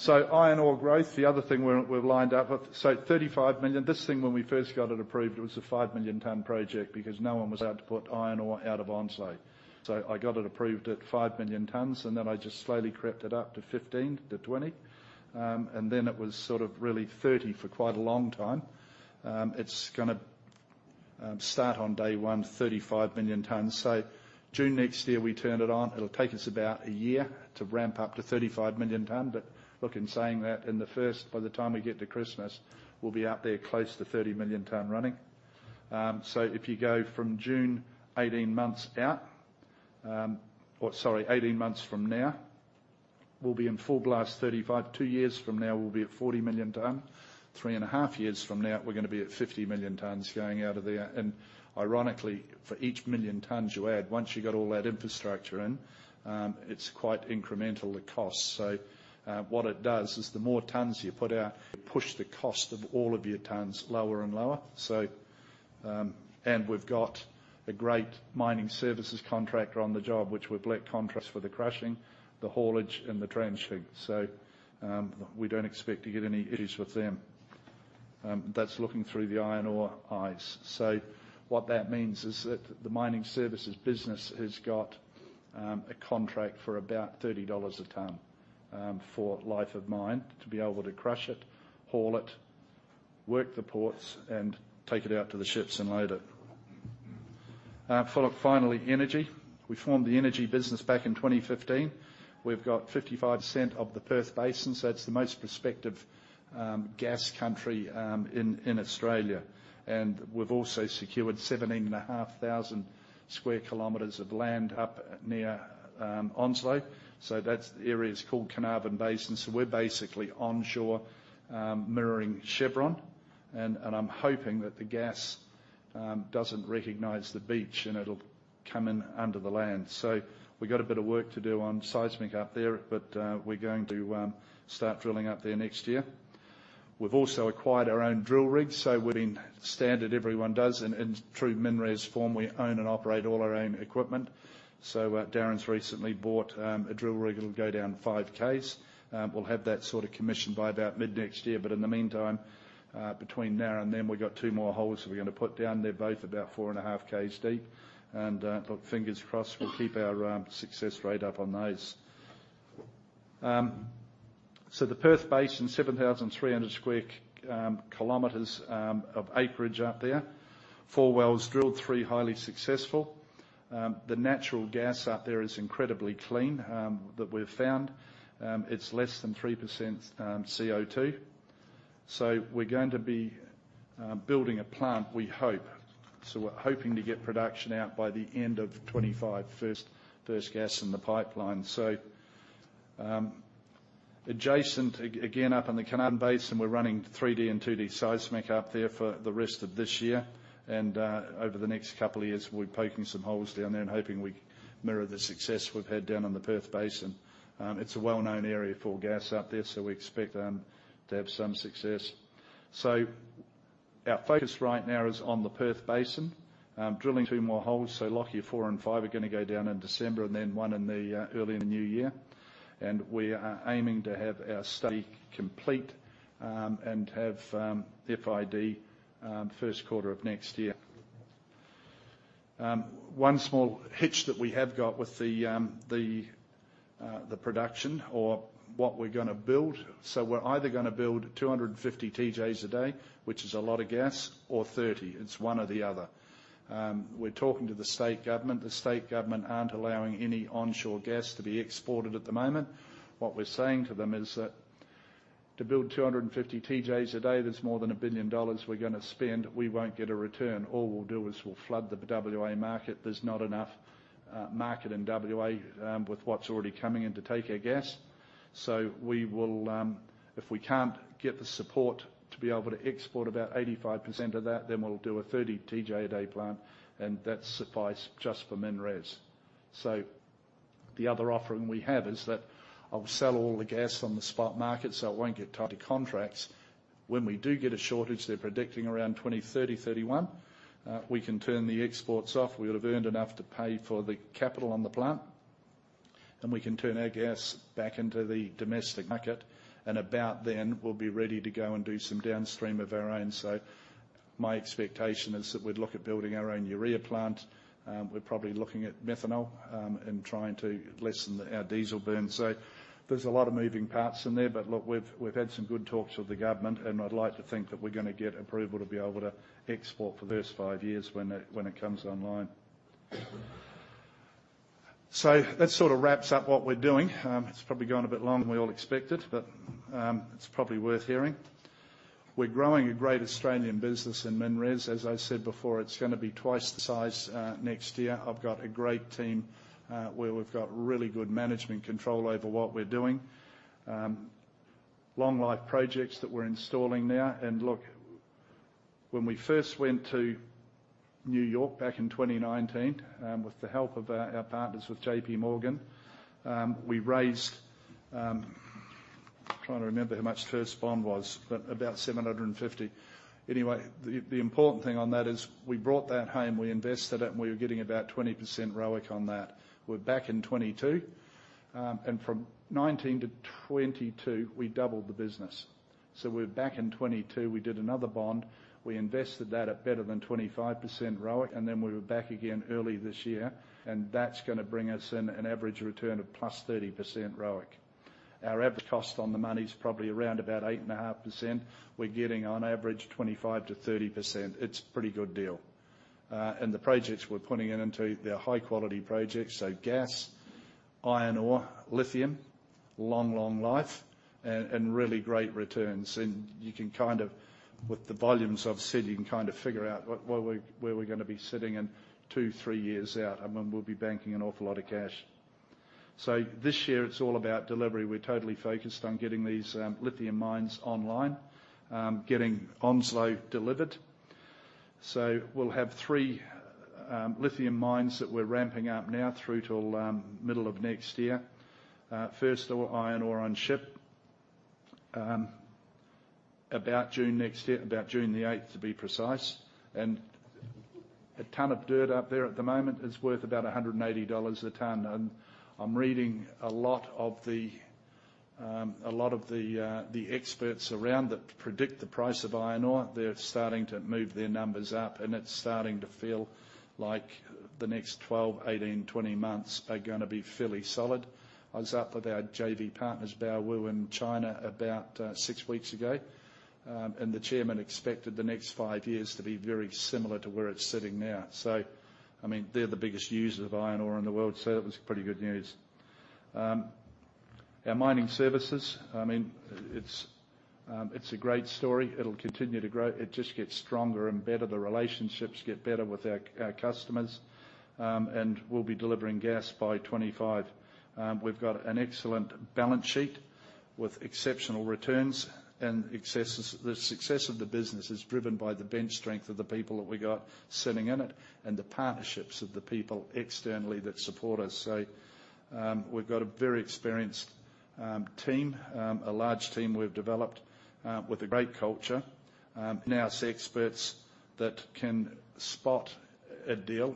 So, iron ore growth, the other thing we're, we've lined up. So 35 million, this thing, when we first got it approved, it was a 5 million ton project because no one was out to put iron ore out of Onslow. So I got it approved at 5 million tons, and then I just slowly crept it up to 15, to 20, and then it was sort of really 30 for quite a long time. It's gonna start on day one, 35 million tons. So June next year, we turn it on. It'll take us about a year to ramp up to 35 million ton. But look, in saying that, in the first, by the time we get to Christmas, we'll be out there close to 30 million ton running. So if you go from June, 18 months out, or sorry, 18 months from now, we'll be in full blast, 35. Two years from now, we'll be at 40 million ton. Three and a half years from now, we're gonna be at 50 million tons going out of there. And ironically, for each million tons you add, once you got all that infrastructure in, it's quite incremental, the cost. So, what it does is, the more tons you put out, push the cost of all of your tons lower and lower. So, and we've got a great mining services contractor on the job, which we've let contracts for the crushing, the haulage, and the trenching. So, we don't expect to get any issues with them. That's looking through the iron ore eyes. So what that means is that the mining services business has got a contract for about 30 dollars a ton, for life of mine, to be able to crush it, haul it, work the ports, and take it out to the ships and load it. For finally, energy. We formed the energy business back in 2015. We've got 55% of the Perth Basin, so it's the most prospective gas country in Australia. And we've also secured 17,500 sq km of land up near Onslow. So that's the area, it's called Carnarvon Basin. So we're basically onshore mirroring Chevron, and I'm hoping that the gas doesn't recognize the beach and it'll come in under the land. So we've got a bit of work to do on seismic up there, but we're going to start drilling up there next year. We've also acquired our own drill rig, so we're being standard. Everyone does, and in true MinRes form, we own and operate all our own equipment. So Darren's recently bought a drill rig. It'll go down 5 Ks. We'll have that sort of commissioned by about mid-next year. But in the meantime, between now and then, we've got 2 more holes that we're gonna put down there, both about 4.5 Ks deep. And look, fingers crossed, we'll keep our success rate up on those. So the Perth Basin, 7,300 square kilometers of acreage up there. 4 wells drilled, 3 highly successful. The natural gas out there is incredibly clean that we've found. It's less than 3% CO2. So we're going to be building a plant, we hope. So we're hoping to get production out by the end of 2025, first gas in the pipeline. So adjacent, again, up on the Carnarvon Basin, we're running 3D and 2D seismic up there for the rest of this year. Over the next couple of years, we'll be poking some holes down there and hoping we mirror the success we've had down on the Perth Basin. It's a well-known area for gas out there, so we expect to have some success. So our focus right now is on the Perth Basin. Drilling two more holes, so Lockyer four and five are gonna go down in December, and then one in the early in the new year. We are aiming to have our study complete, and have FID, first quarter of next year. One small hitch that we have got with the production or what we're gonna build. We're either gonna build 250 TJs a day, which is a lot of gas, or 30. It's one or the other. We're talking to the state government. The state government aren't allowing any onshore gas to be exported at the moment. What we're saying to them is that to build 250 TJs a day, that's more than 1 billion dollars we're gonna spend. We won't get a return. All we'll do is we'll flood the WA market. There's not enough, market in WA, with what's already coming in to take our gas. So we will. If we can't get the support to be able to export about 85% of that, then we'll do a 30 TJ a day plant, and that suffice just for MinRes. So the other offering we have is that I'll sell all the gas on the spot market, so I won't get tied to contracts. When we do get a shortage, they're predicting around 2030, 31, we can turn the exports off. We would have earned enough to pay for the capital on the plant, and we can turn our gas back into the domestic market, and about then, we'll be ready to go and do some downstream of our own. So my expectation is that we'd look at building our own urea plant. We're probably looking at methanol, and trying to lessen our diesel burn. So there's a lot of moving parts in there, but look, we've had some good talks with the government, and I'd like to think that we're gonna get approval to be able to export for the first five years when it comes online. So that sort of wraps up what we're doing. It's probably gone a bit longer than we all expected, but it's probably worth hearing. We're growing a great Australian business in MinRes. As I said before, it's gonna be twice the size next year. I've got a great team where we've got really good management control over what we're doing. Long life projects that we're installing now. And look, when we first went to New York back in 2019, with the help of our, our partners with J.P. Morgan, we raised... Trying to remember how much the first bond was, but about $750 million. Anyway, the, the important thing on that is we brought that home, we invested it, and we were getting about 20% ROIC on that. We're back in 2022, and from 2019 to 2022, we doubled the business. We're back in 2022, we did another bond. We invested that at better than 25% ROIC, and then we were back again early this year, and that's gonna bring us in an average return of +30% ROIC. Our average cost on the money is probably around about 8.5%. We're getting on average, 25%-30%. It's a pretty good deal. And the projects we're putting it into, they're high-quality projects, so gas, iron ore, lithium, long, long life, and really great returns. And you can kind of, with the volumes I've said, you can kind of figure out what, where we're, where we're gonna be sitting in two, three years out, and then we'll be banking an awful lot of cash. So this year it's all about delivery. We're totally focused on getting these lithium mines online, getting Onslow delivered. So we'll have three lithium mines that we're ramping up now through till middle of next year. First ore, iron ore on ship, about June next year, about June the eighth, to be precise. And a ton of dirt up there at the moment is worth about 180 dollars a ton. I'm reading a lot of the experts around that predict the price of iron ore. They're starting to move their numbers up, and it's starting to feel like the next 12, 18, 20 months are gonna be fairly solid. I was up with our JV partners, Baowu, in China about six weeks ago, and the chairman expected the next five years to be very similar to where it's sitting now. So, I mean, they're the biggest users of iron ore in the world, so it was pretty good news. Our mining services, I mean, it's a great story. It'll continue to grow. It just gets stronger and better. The relationships get better with our customers, and we'll be delivering gas by 2025. We've got an excellent balance sheet with exceptional returns and excesses- the success of the business is driven by the bench strength of the people that we got sitting in it, and the partnerships of the people externally that support us. So, we've got a very experienced, team, a large team we've developed, with a great culture.... now see experts that can spot a deal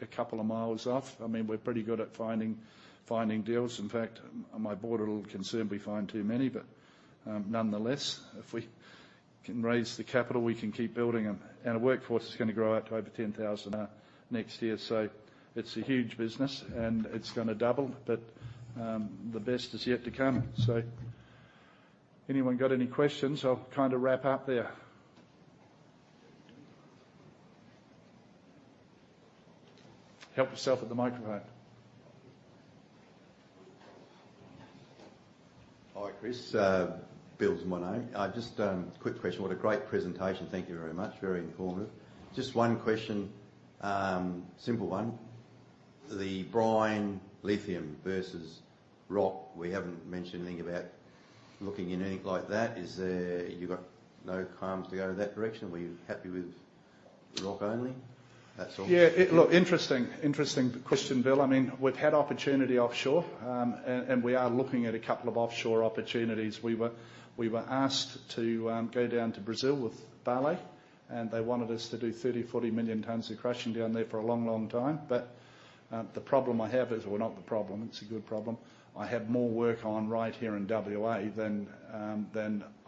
a couple of miles off. I mean, we're pretty good at finding, finding deals. In fact, my board are concerned we find too many. But, nonetheless, if we can raise the capital, we can keep building them. And our workforce is gonna grow up to over 10,000, next year. So it's a huge business, and it's gonna double, but, the best is yet to come. So anyone got any questions? I'll kind of wrap up there. Help yourself at the microphone. Hi, Chris. Bill Munro. Just a quick question. What a great presentation. Thank you very much. Very informative. Just one question, a simple one. The brine lithium versus rock. We haven't mentioned anything about looking in anything like that. Is there—You've got no plans to go in that direction? Were you happy with rock only? That's all. Yeah, Look, interesting, interesting question, Bill. I mean, we've had opportunity offshore, and we are looking at a couple of offshore opportunities. We were asked to go down to Brazil with Vale, and they wanted us to do 30-40 million tons of crushing down there for a long, long time. But the problem I have is, well, not the problem, it's a good problem: I have more work on right here in WA than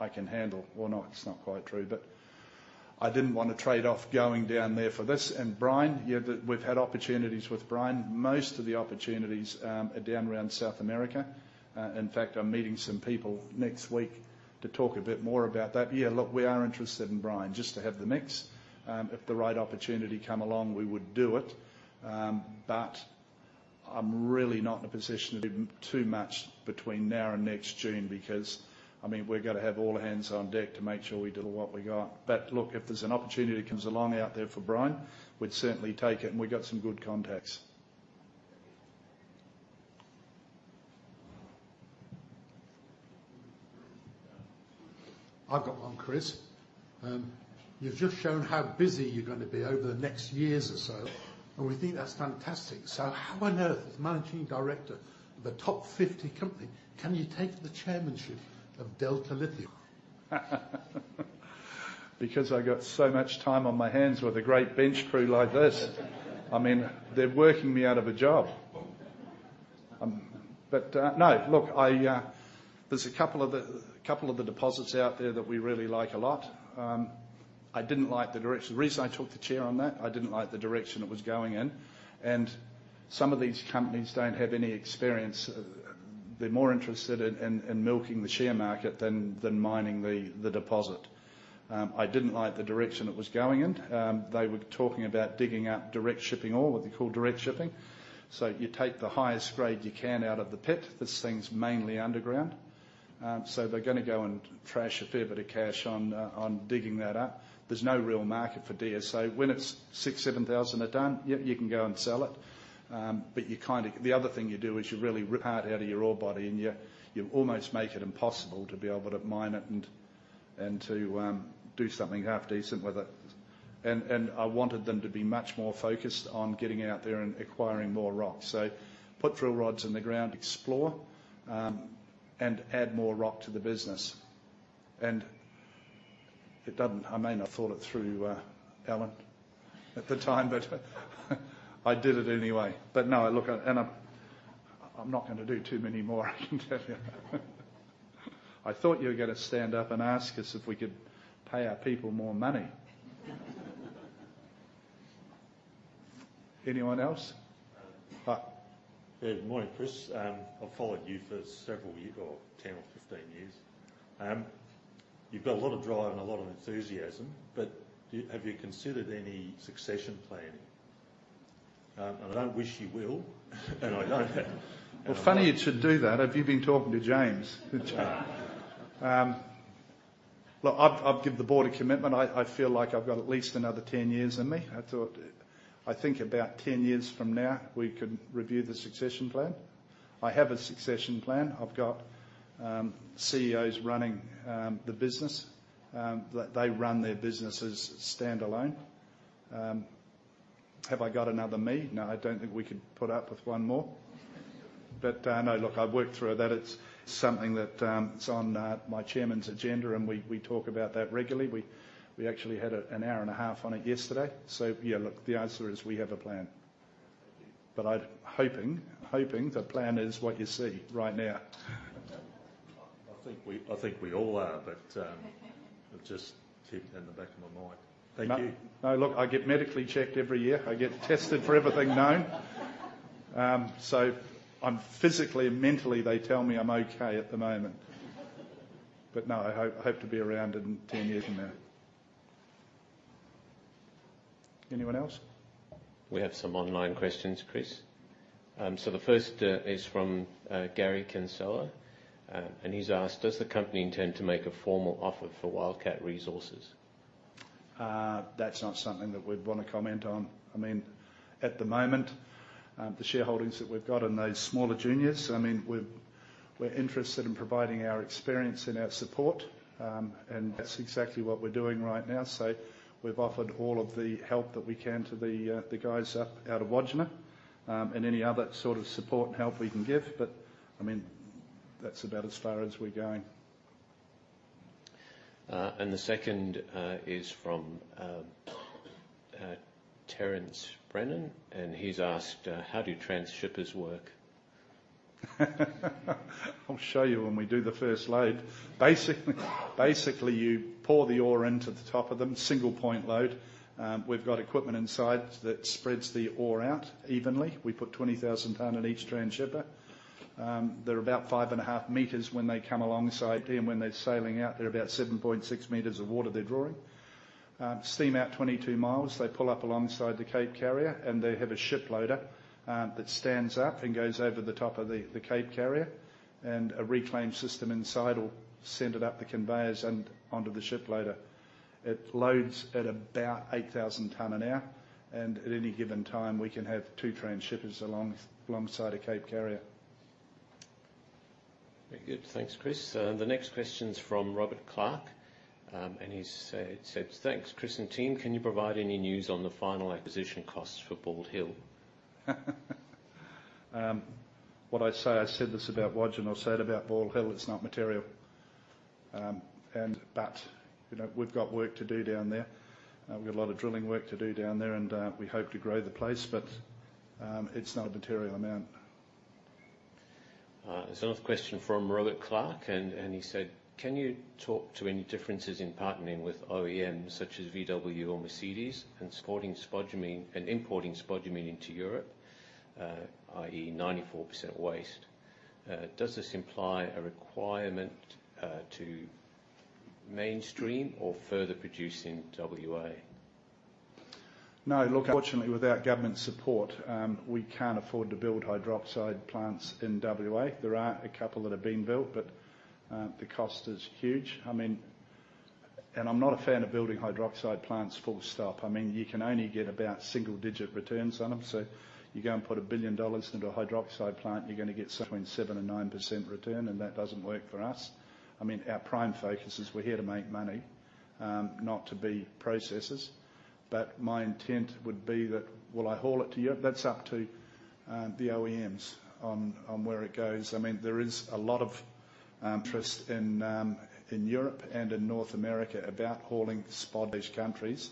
I can handle. Well, not quite true, but I didn't want to trade off going down there for this. And brine, yeah, we've had opportunities with brine. Most of the opportunities are down around South America. In fact, I'm meeting some people next week to talk a bit more about that. Yeah, look, we are interested in brine, just to have the mix. If the right opportunity come along, we would do it. But I'm really not in a position to do too much between now and next June because, I mean, we're gonna have all hands on deck to make sure we deliver what we got. But look, if there's an opportunity that comes along out there for brine, we'd certainly take it, and we've got some good contacts. I've got one, Chris. You've just shown how busy you're gonna be over the next years or so, and we think that's fantastic. So how on earth, as managing director of a top 50 company, can you take the chairmanship of Delta Lithium? Because I got so much time on my hands with a great bench crew like this. I mean, they're working me out of a job. But, no. Look, I, there's a couple of the deposits out there that we really like a lot. I didn't like the direction. The reason I took the chair on that, I didn't like the direction it was going in, and some of these companies don't have any experience. They're more interested in milking the share market than mining the deposit. I didn't like the direction it was going in. They were talking about digging up direct shipping ore, what they call direct shipping. So you take the highest grade you can out of the pit. This thing's mainly underground. So they're gonna go and trash a fair bit of cash on digging that up. There's no real market for DSO. When it's 6,000-7,000 a ton, yeah, you can go and sell it. But you kind of-- The other thing you do is you really rip your heart out of your ore body, and you, you almost make it impossible to be able to mine it and, and to do something half-decent with it. And I wanted them to be much more focused on getting out there and acquiring more rock. So put drill rods in the ground, explore, and add more rock to the business. And it doesn't-- I may not thought it through, Alan, at the time, but I did it anyway. But no, look, and I'm, I'm not gonna do too many more, I can tell you. I thought you were gonna stand up and ask us if we could pay our people more money. Anyone else? Hi. Yeah, good morning, Chris. I've followed you for several years, or 10 or 15 years. You've got a lot of drive and a lot of enthusiasm, but have you considered any succession planning? And I don't wish you will, and I don't- Well, funny you should do that. Have you been talking to James? Look, I've given the board a commitment. I feel like I've got at least another 10 years in me. I thought, I think about 10 years from now, we can review the succession plan. I have a succession plan. I've got CEOs running the business that they run their businesses standalone. Have I got another me? No, I don't think we could put up with one more. But no, look, I've worked through that. It's something that it's on my chairman's agenda, and we talk about that regularly. We actually had an hour and a half on it yesterday. So yeah, look, the answer is we have a plan. Thank you. But I'm hoping the plan is what you see right now. I think we, I think we all are, but, I'll just keep it in the back of my mind. Thank you. No, look, I get medically checked every year. I get tested for everything known. So I'm physically and mentally, they tell me I'm okay at the moment. But no, I hope, I hope to be around in 10 years from now. Anyone else? We have some online questions, Chris. The first is from Gary Kinsella. He's asked: Does the company intend to make a formal offer for Wildcat Resources? That's not something that we'd want to comment on. I mean, at the moment, the shareholdings that we've got in those smaller juniors, I mean, we're interested in providing our experience and our support, and that's exactly what we're doing right now. So we've offered all of the help that we can to the, the guys up out of Wodgina, and any other sort of support and help we can give. But, I mean, that's about as far as we're going. The second is from Terence Brennan, and he's asked: How do transhippers work? I'll show you when we do the first load. Basically, you pour the ore into the top of them, single point load. We've got equipment inside that spreads the ore out evenly. We put 20,000 tons in each transhipper. They're about 5.5 meters when they come alongside, and when they're sailing out, they're about 7.6 meters of water they're drawing. Steam out 22 miles, they pull up alongside the Cape carrier, and they have a ship loader that stands up and goes over the top of the Cape carrier, and a reclaim system inside will send it up the conveyors and onto the ship loader. It loads at about 8,000 tons an hour, and at any given time, we can have two transhippers alongside a Cape carrier. Very good. Thanks, Chris. The next question's from Robert Clark, and he said, says: "Thanks, Chris and team. Can you provide any news on the final acquisition costs for Bald Hill? What I'd say, I said this about Wodgina, I'll say it about Bald Hill, it's not material. You know, we've got work to do down there. We've got a lot of drilling work to do down there, and we hope to grow the place, but it's not a material amount. There's another question from Robert Clark, and, and he said: Can you talk to any differences in partnering with OEMs such as VW or Mercedes and sourcing spodumene and importing spodumene into Europe, i.e., 94% waste? Does this imply a requirement to mainstream or further produce in WA? No, look, unfortunately, without government support, we can't afford to build hydroxide plants in WA. There are a couple that have been built, but, the cost is huge. I mean, I'm not a fan of building hydroxide plants, full stop. I mean, you can only get about single-digit returns on them, so you go and put 1 billion dollars into a hydroxide plant, you're gonna get between 7%-9% return, and that doesn't work for us. I mean, our prime focus is we're here to make money, not to be processors. But my intent would be that, will I haul it to you? That's up to, the OEMs on, where it goes. I mean, there is a lot of, trust in, in Europe and in North America about hauling spod to these countries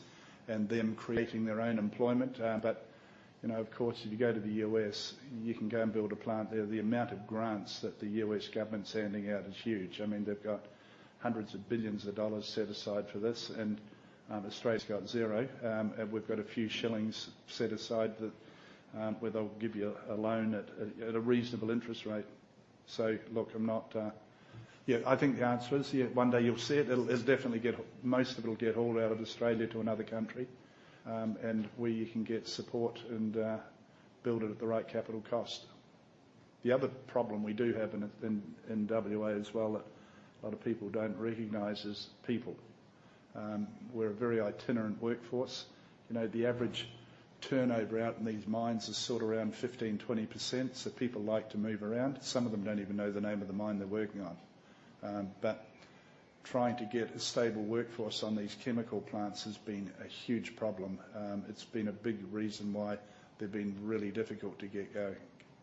and them creating their own employment. But, you know, of course, if you go to the U.S., you can go and build a plant there. The amount of grants that the U.S. government's handing out is huge. I mean, they've got hundreds of billions of dollars set aside for this, and Australia's got zero. And we've got a few shillings set aside that where they'll give you a loan at a reasonable interest rate. So look, I'm not... Yeah, I think the answer is, yeah, one day you'll see it. It'll definitely get, most of it will get hauled out of Australia to another country. And where you can get support and build it at the right capital cost. The other problem we do have in WA as well, a lot of people don't recognize, is people. We're a very itinerant workforce. You know, the average turnover out in these mines is sort of around 15%-20%, so people like to move around. Some of them don't even know the name of the mine they're working on. But trying to get a stable workforce on these chemical plants has been a huge problem. It's been a big reason why they've been really difficult to get going,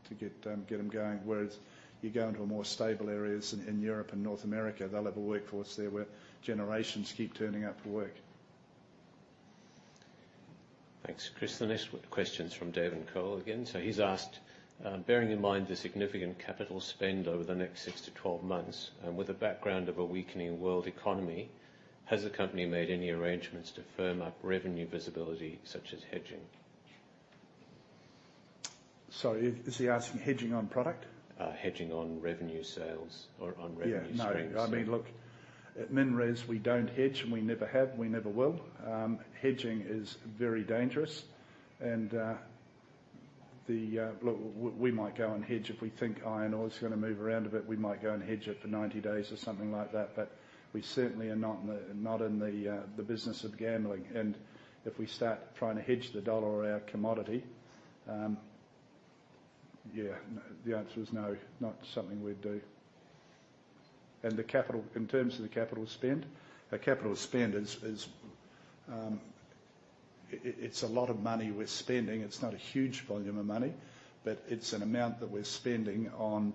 to get them going. Whereas if you go into more stable areas in Europe and North America, they'll have a workforce there, where generations keep turning up for work. Thanks, Chris. The next question's from David Cole again. So he's asked: Bearing in mind the significant capital spend over the next 6-12 months, and with the background of a weakening world economy, has the company made any arrangements to firm up revenue visibility, such as hedging? Sorry, is he asking hedging on product? Hedging on revenue sales or on revenue streams? Yeah, no. I mean, look, at MinRes, we don't hedge, and we never have, and we never will. Hedging is very dangerous, and, the... Look, we, we might go and hedge if we think iron ore is gonna move around a bit. We might go and hedge it for 90 days or something like that, but we certainly are not in the, not in the, the business of gambling. And if we start trying to hedge the dollar or our commodity, yeah, no, the answer is no, not something we'd do. And the capital. In terms of the capital spend, our capital spend is, is, it, it, it's a lot of money we're spending. It's not a huge volume of money, but it's an amount that we're spending on,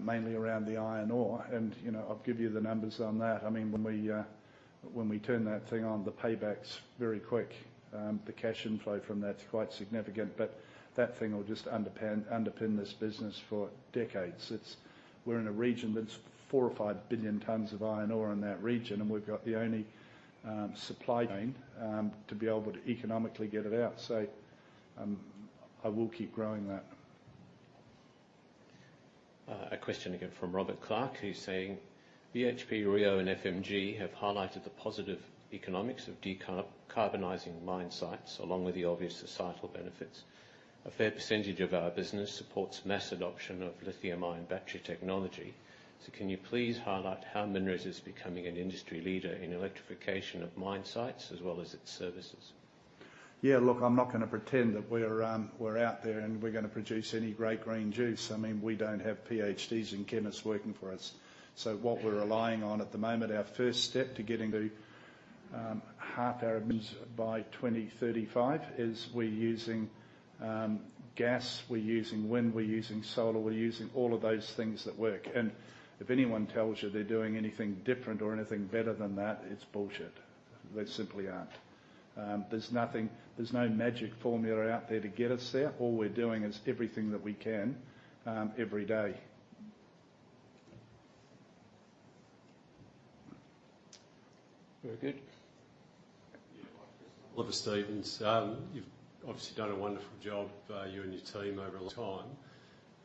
mainly around the iron ore, and, you know, I'll give you the numbers on that. I mean, when we turn that thing on, the payback's very quick. The cash inflow from that's quite significant, but that thing will just underpin, underpin this business for decades. It's... We're in a region that's 4 or 5 billion tons of iron ore in that region, and we've got the only supply chain to be able to economically get it out. So, I will keep growing that. A question again from Robert Clark, who's saying: BHP, Rio, and FMG have highlighted the positive economics of decarbonizing mine sites, along with the obvious societal benefits. A fair percentage of our business supports mass adoption of lithium-ion battery technology. So can you please highlight how MinRes is becoming an industry leader in electrification of mine sites as well as its services? Yeah, look, I'm not gonna pretend that we're, we're out there, and we're gonna produce any great green juice. I mean, we don't have PhDs and chemists working for us. So what we're relying on at the moment, our first step to getting to half our emissions by 2035, is we're using gas, we're using wind, we're using solar, we're using all of those things that work. And if anyone tells you they're doing anything different or anything better than that, it's bullshit. They simply aren't. There's nothing—there's no magic formula out there to get us there. All we're doing is everything that we can, every day. Very good. Oliver Stevens. You've obviously done a wonderful job, you and your team over a long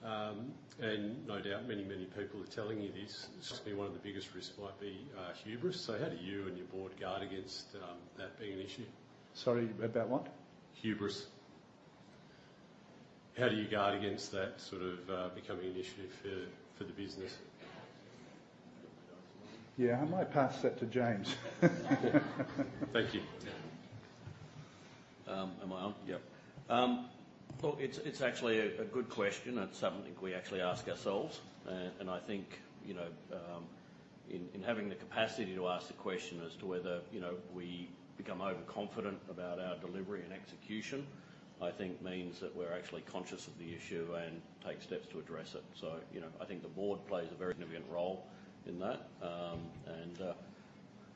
time. And no doubt, many, many people are telling you this, certainly one of the biggest risks might be hubris. So how do you and your board guard against that being an issue? Sorry, about what? Hubris. How do you guard against that sort of becoming an issue for the business? Yeah, I might pass that to James. Thank you. Am I on? Yep. Look, it's actually a good question. It's something we actually ask ourselves. And I think, you know, in having the capacity to ask the question as to whether, you know, we become overconfident about our delivery and execution, I think means that we're actually conscious of the issue and take steps to address it. So, you know, I think the board plays a very significant role in that. And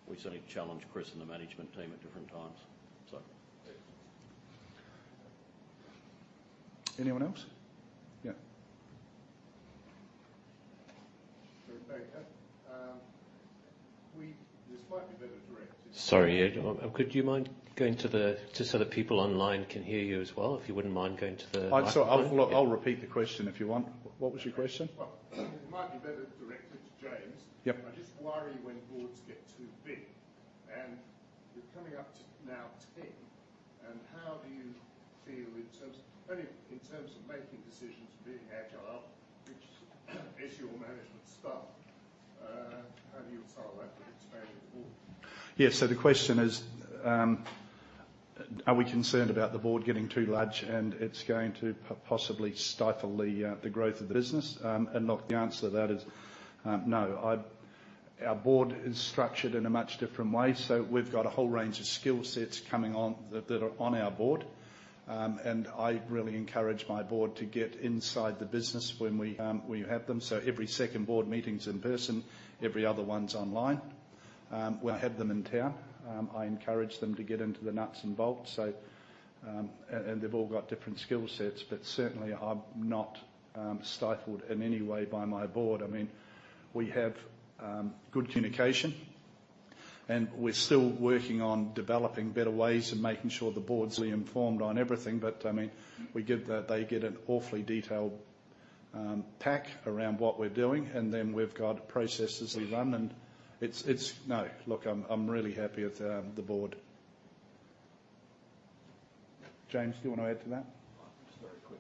we certainly challenge Chris and the management team at different times, so. Anyone else? Yeah. Very good. We—this might be a bit directed- Sorry, could you mind going to the... Just so the people online can hear you as well, if you wouldn't mind going to the microphone? I'll repeat the question if you want. What was your question? Well, it might be better directed to James. Yep. I just worry when boards get too big, and you're coming up to now 10, and how do you feel in terms, only in terms of making decisions and being agile, which is your management staff, how do you reconcile that with expanding the board? Yes, so the question is, are we concerned about the board getting too large, and it's going to possibly stifle the growth of the business? And look, the answer to that is no. Our board is structured in a much different way. So we've got a whole range of skill sets coming on that are on our board. And I really encourage my board to get inside the business when we have them. So every second board meeting's in person, every other one's online. When I have them in town, I encourage them to get into the nuts and bolts. So, and they've all got different skill sets, but certainly, I'm not stifled in any way by my board. I mean, we have good communication, and we're still working on developing better ways of making sure the board's informed on everything. But, I mean, they get an awfully detailed pack around what we're doing, and then we've got processes we run, and it's... No. Look, I'm really happy with the board. James, do you want to add to that? Just very quick.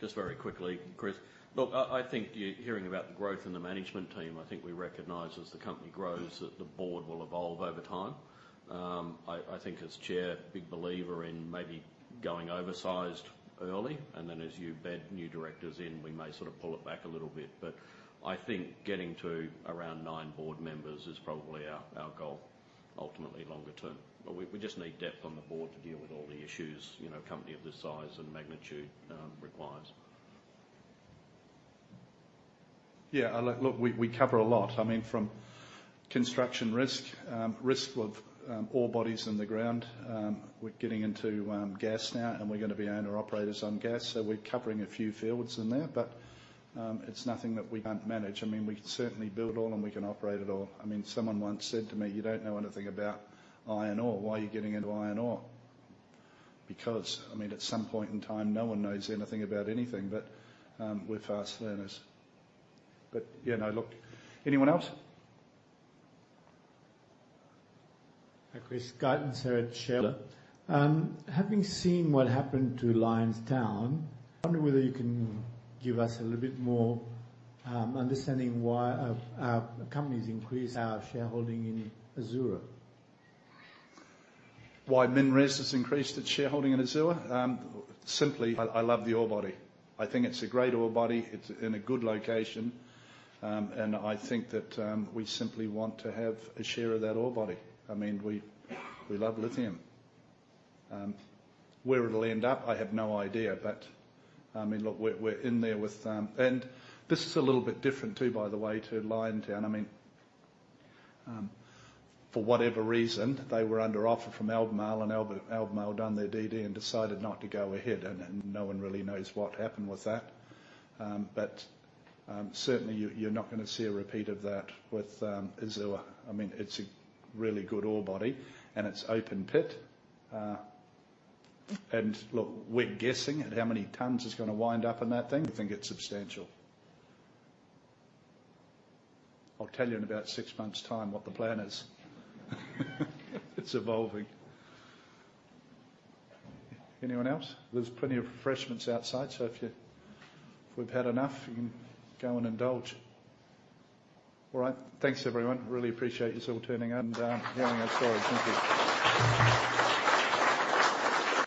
Just very quickly, Chris. Look, I, I think you're hearing about the growth in the management team. I think we recognize as the company grows, that the board will evolve over time. I, I think as chair, big believer in maybe going oversized early, and then as you bed new directors in, we may sort of pull it back a little bit. But I think getting to around nine board members is probably our, our goal, ultimately longer term. But we, we just need depth on the board to deal with all the issues, you know, a company of this size and magnitude requires. Yeah, look, we cover a lot. I mean, from construction risk, risk with ore bodies in the ground. We're getting into gas now, and we're gonna be owner-operators on gas, so we're covering a few fields in there. But it's nothing that we can't manage. I mean, we can certainly build it all, and we can operate it all. I mean, someone once said to me, "You don't know anything about iron ore. Why are you getting into iron ore?" Because, I mean, at some point in time, no one knows anything about anything, but we're fast learners. But you know, look... Anyone else? Hi, Chris. Gordon Sarah, shareholder. Having seen what happened to Liontown, I wonder whether you can give us a little bit more understanding why the company's increased our shareholding in Azure? Why MinRes has increased its shareholding in Azure? Simply, I love the ore body. I think it's a great ore body. It's in a good location, and I think that we simply want to have a share of that ore body. I mean, we love lithium. Where it'll end up, I have no idea. But, I mean, look, we're in there with... And this is a little bit different, too, by the way, to Liontown. I mean, for whatever reason, they were under offer from Albemarle, and Albemarle done their DD and decided not to go ahead, and no one really knows what happened with that. But, certainly you're not gonna see a repeat of that with Azure. I mean, it's a really good ore body, and it's open pit. And look, we're guessing at how many tons is gonna wind up in that thing. We think it's substantial. I'll tell you in about six months' time what the plan is. It's evolving. Anyone else? There's plenty of refreshments outside, so if you - if we've had enough, you can go and indulge. All right. Thanks, everyone. Really appreciate yous all turning out and hearing our story. Thank you.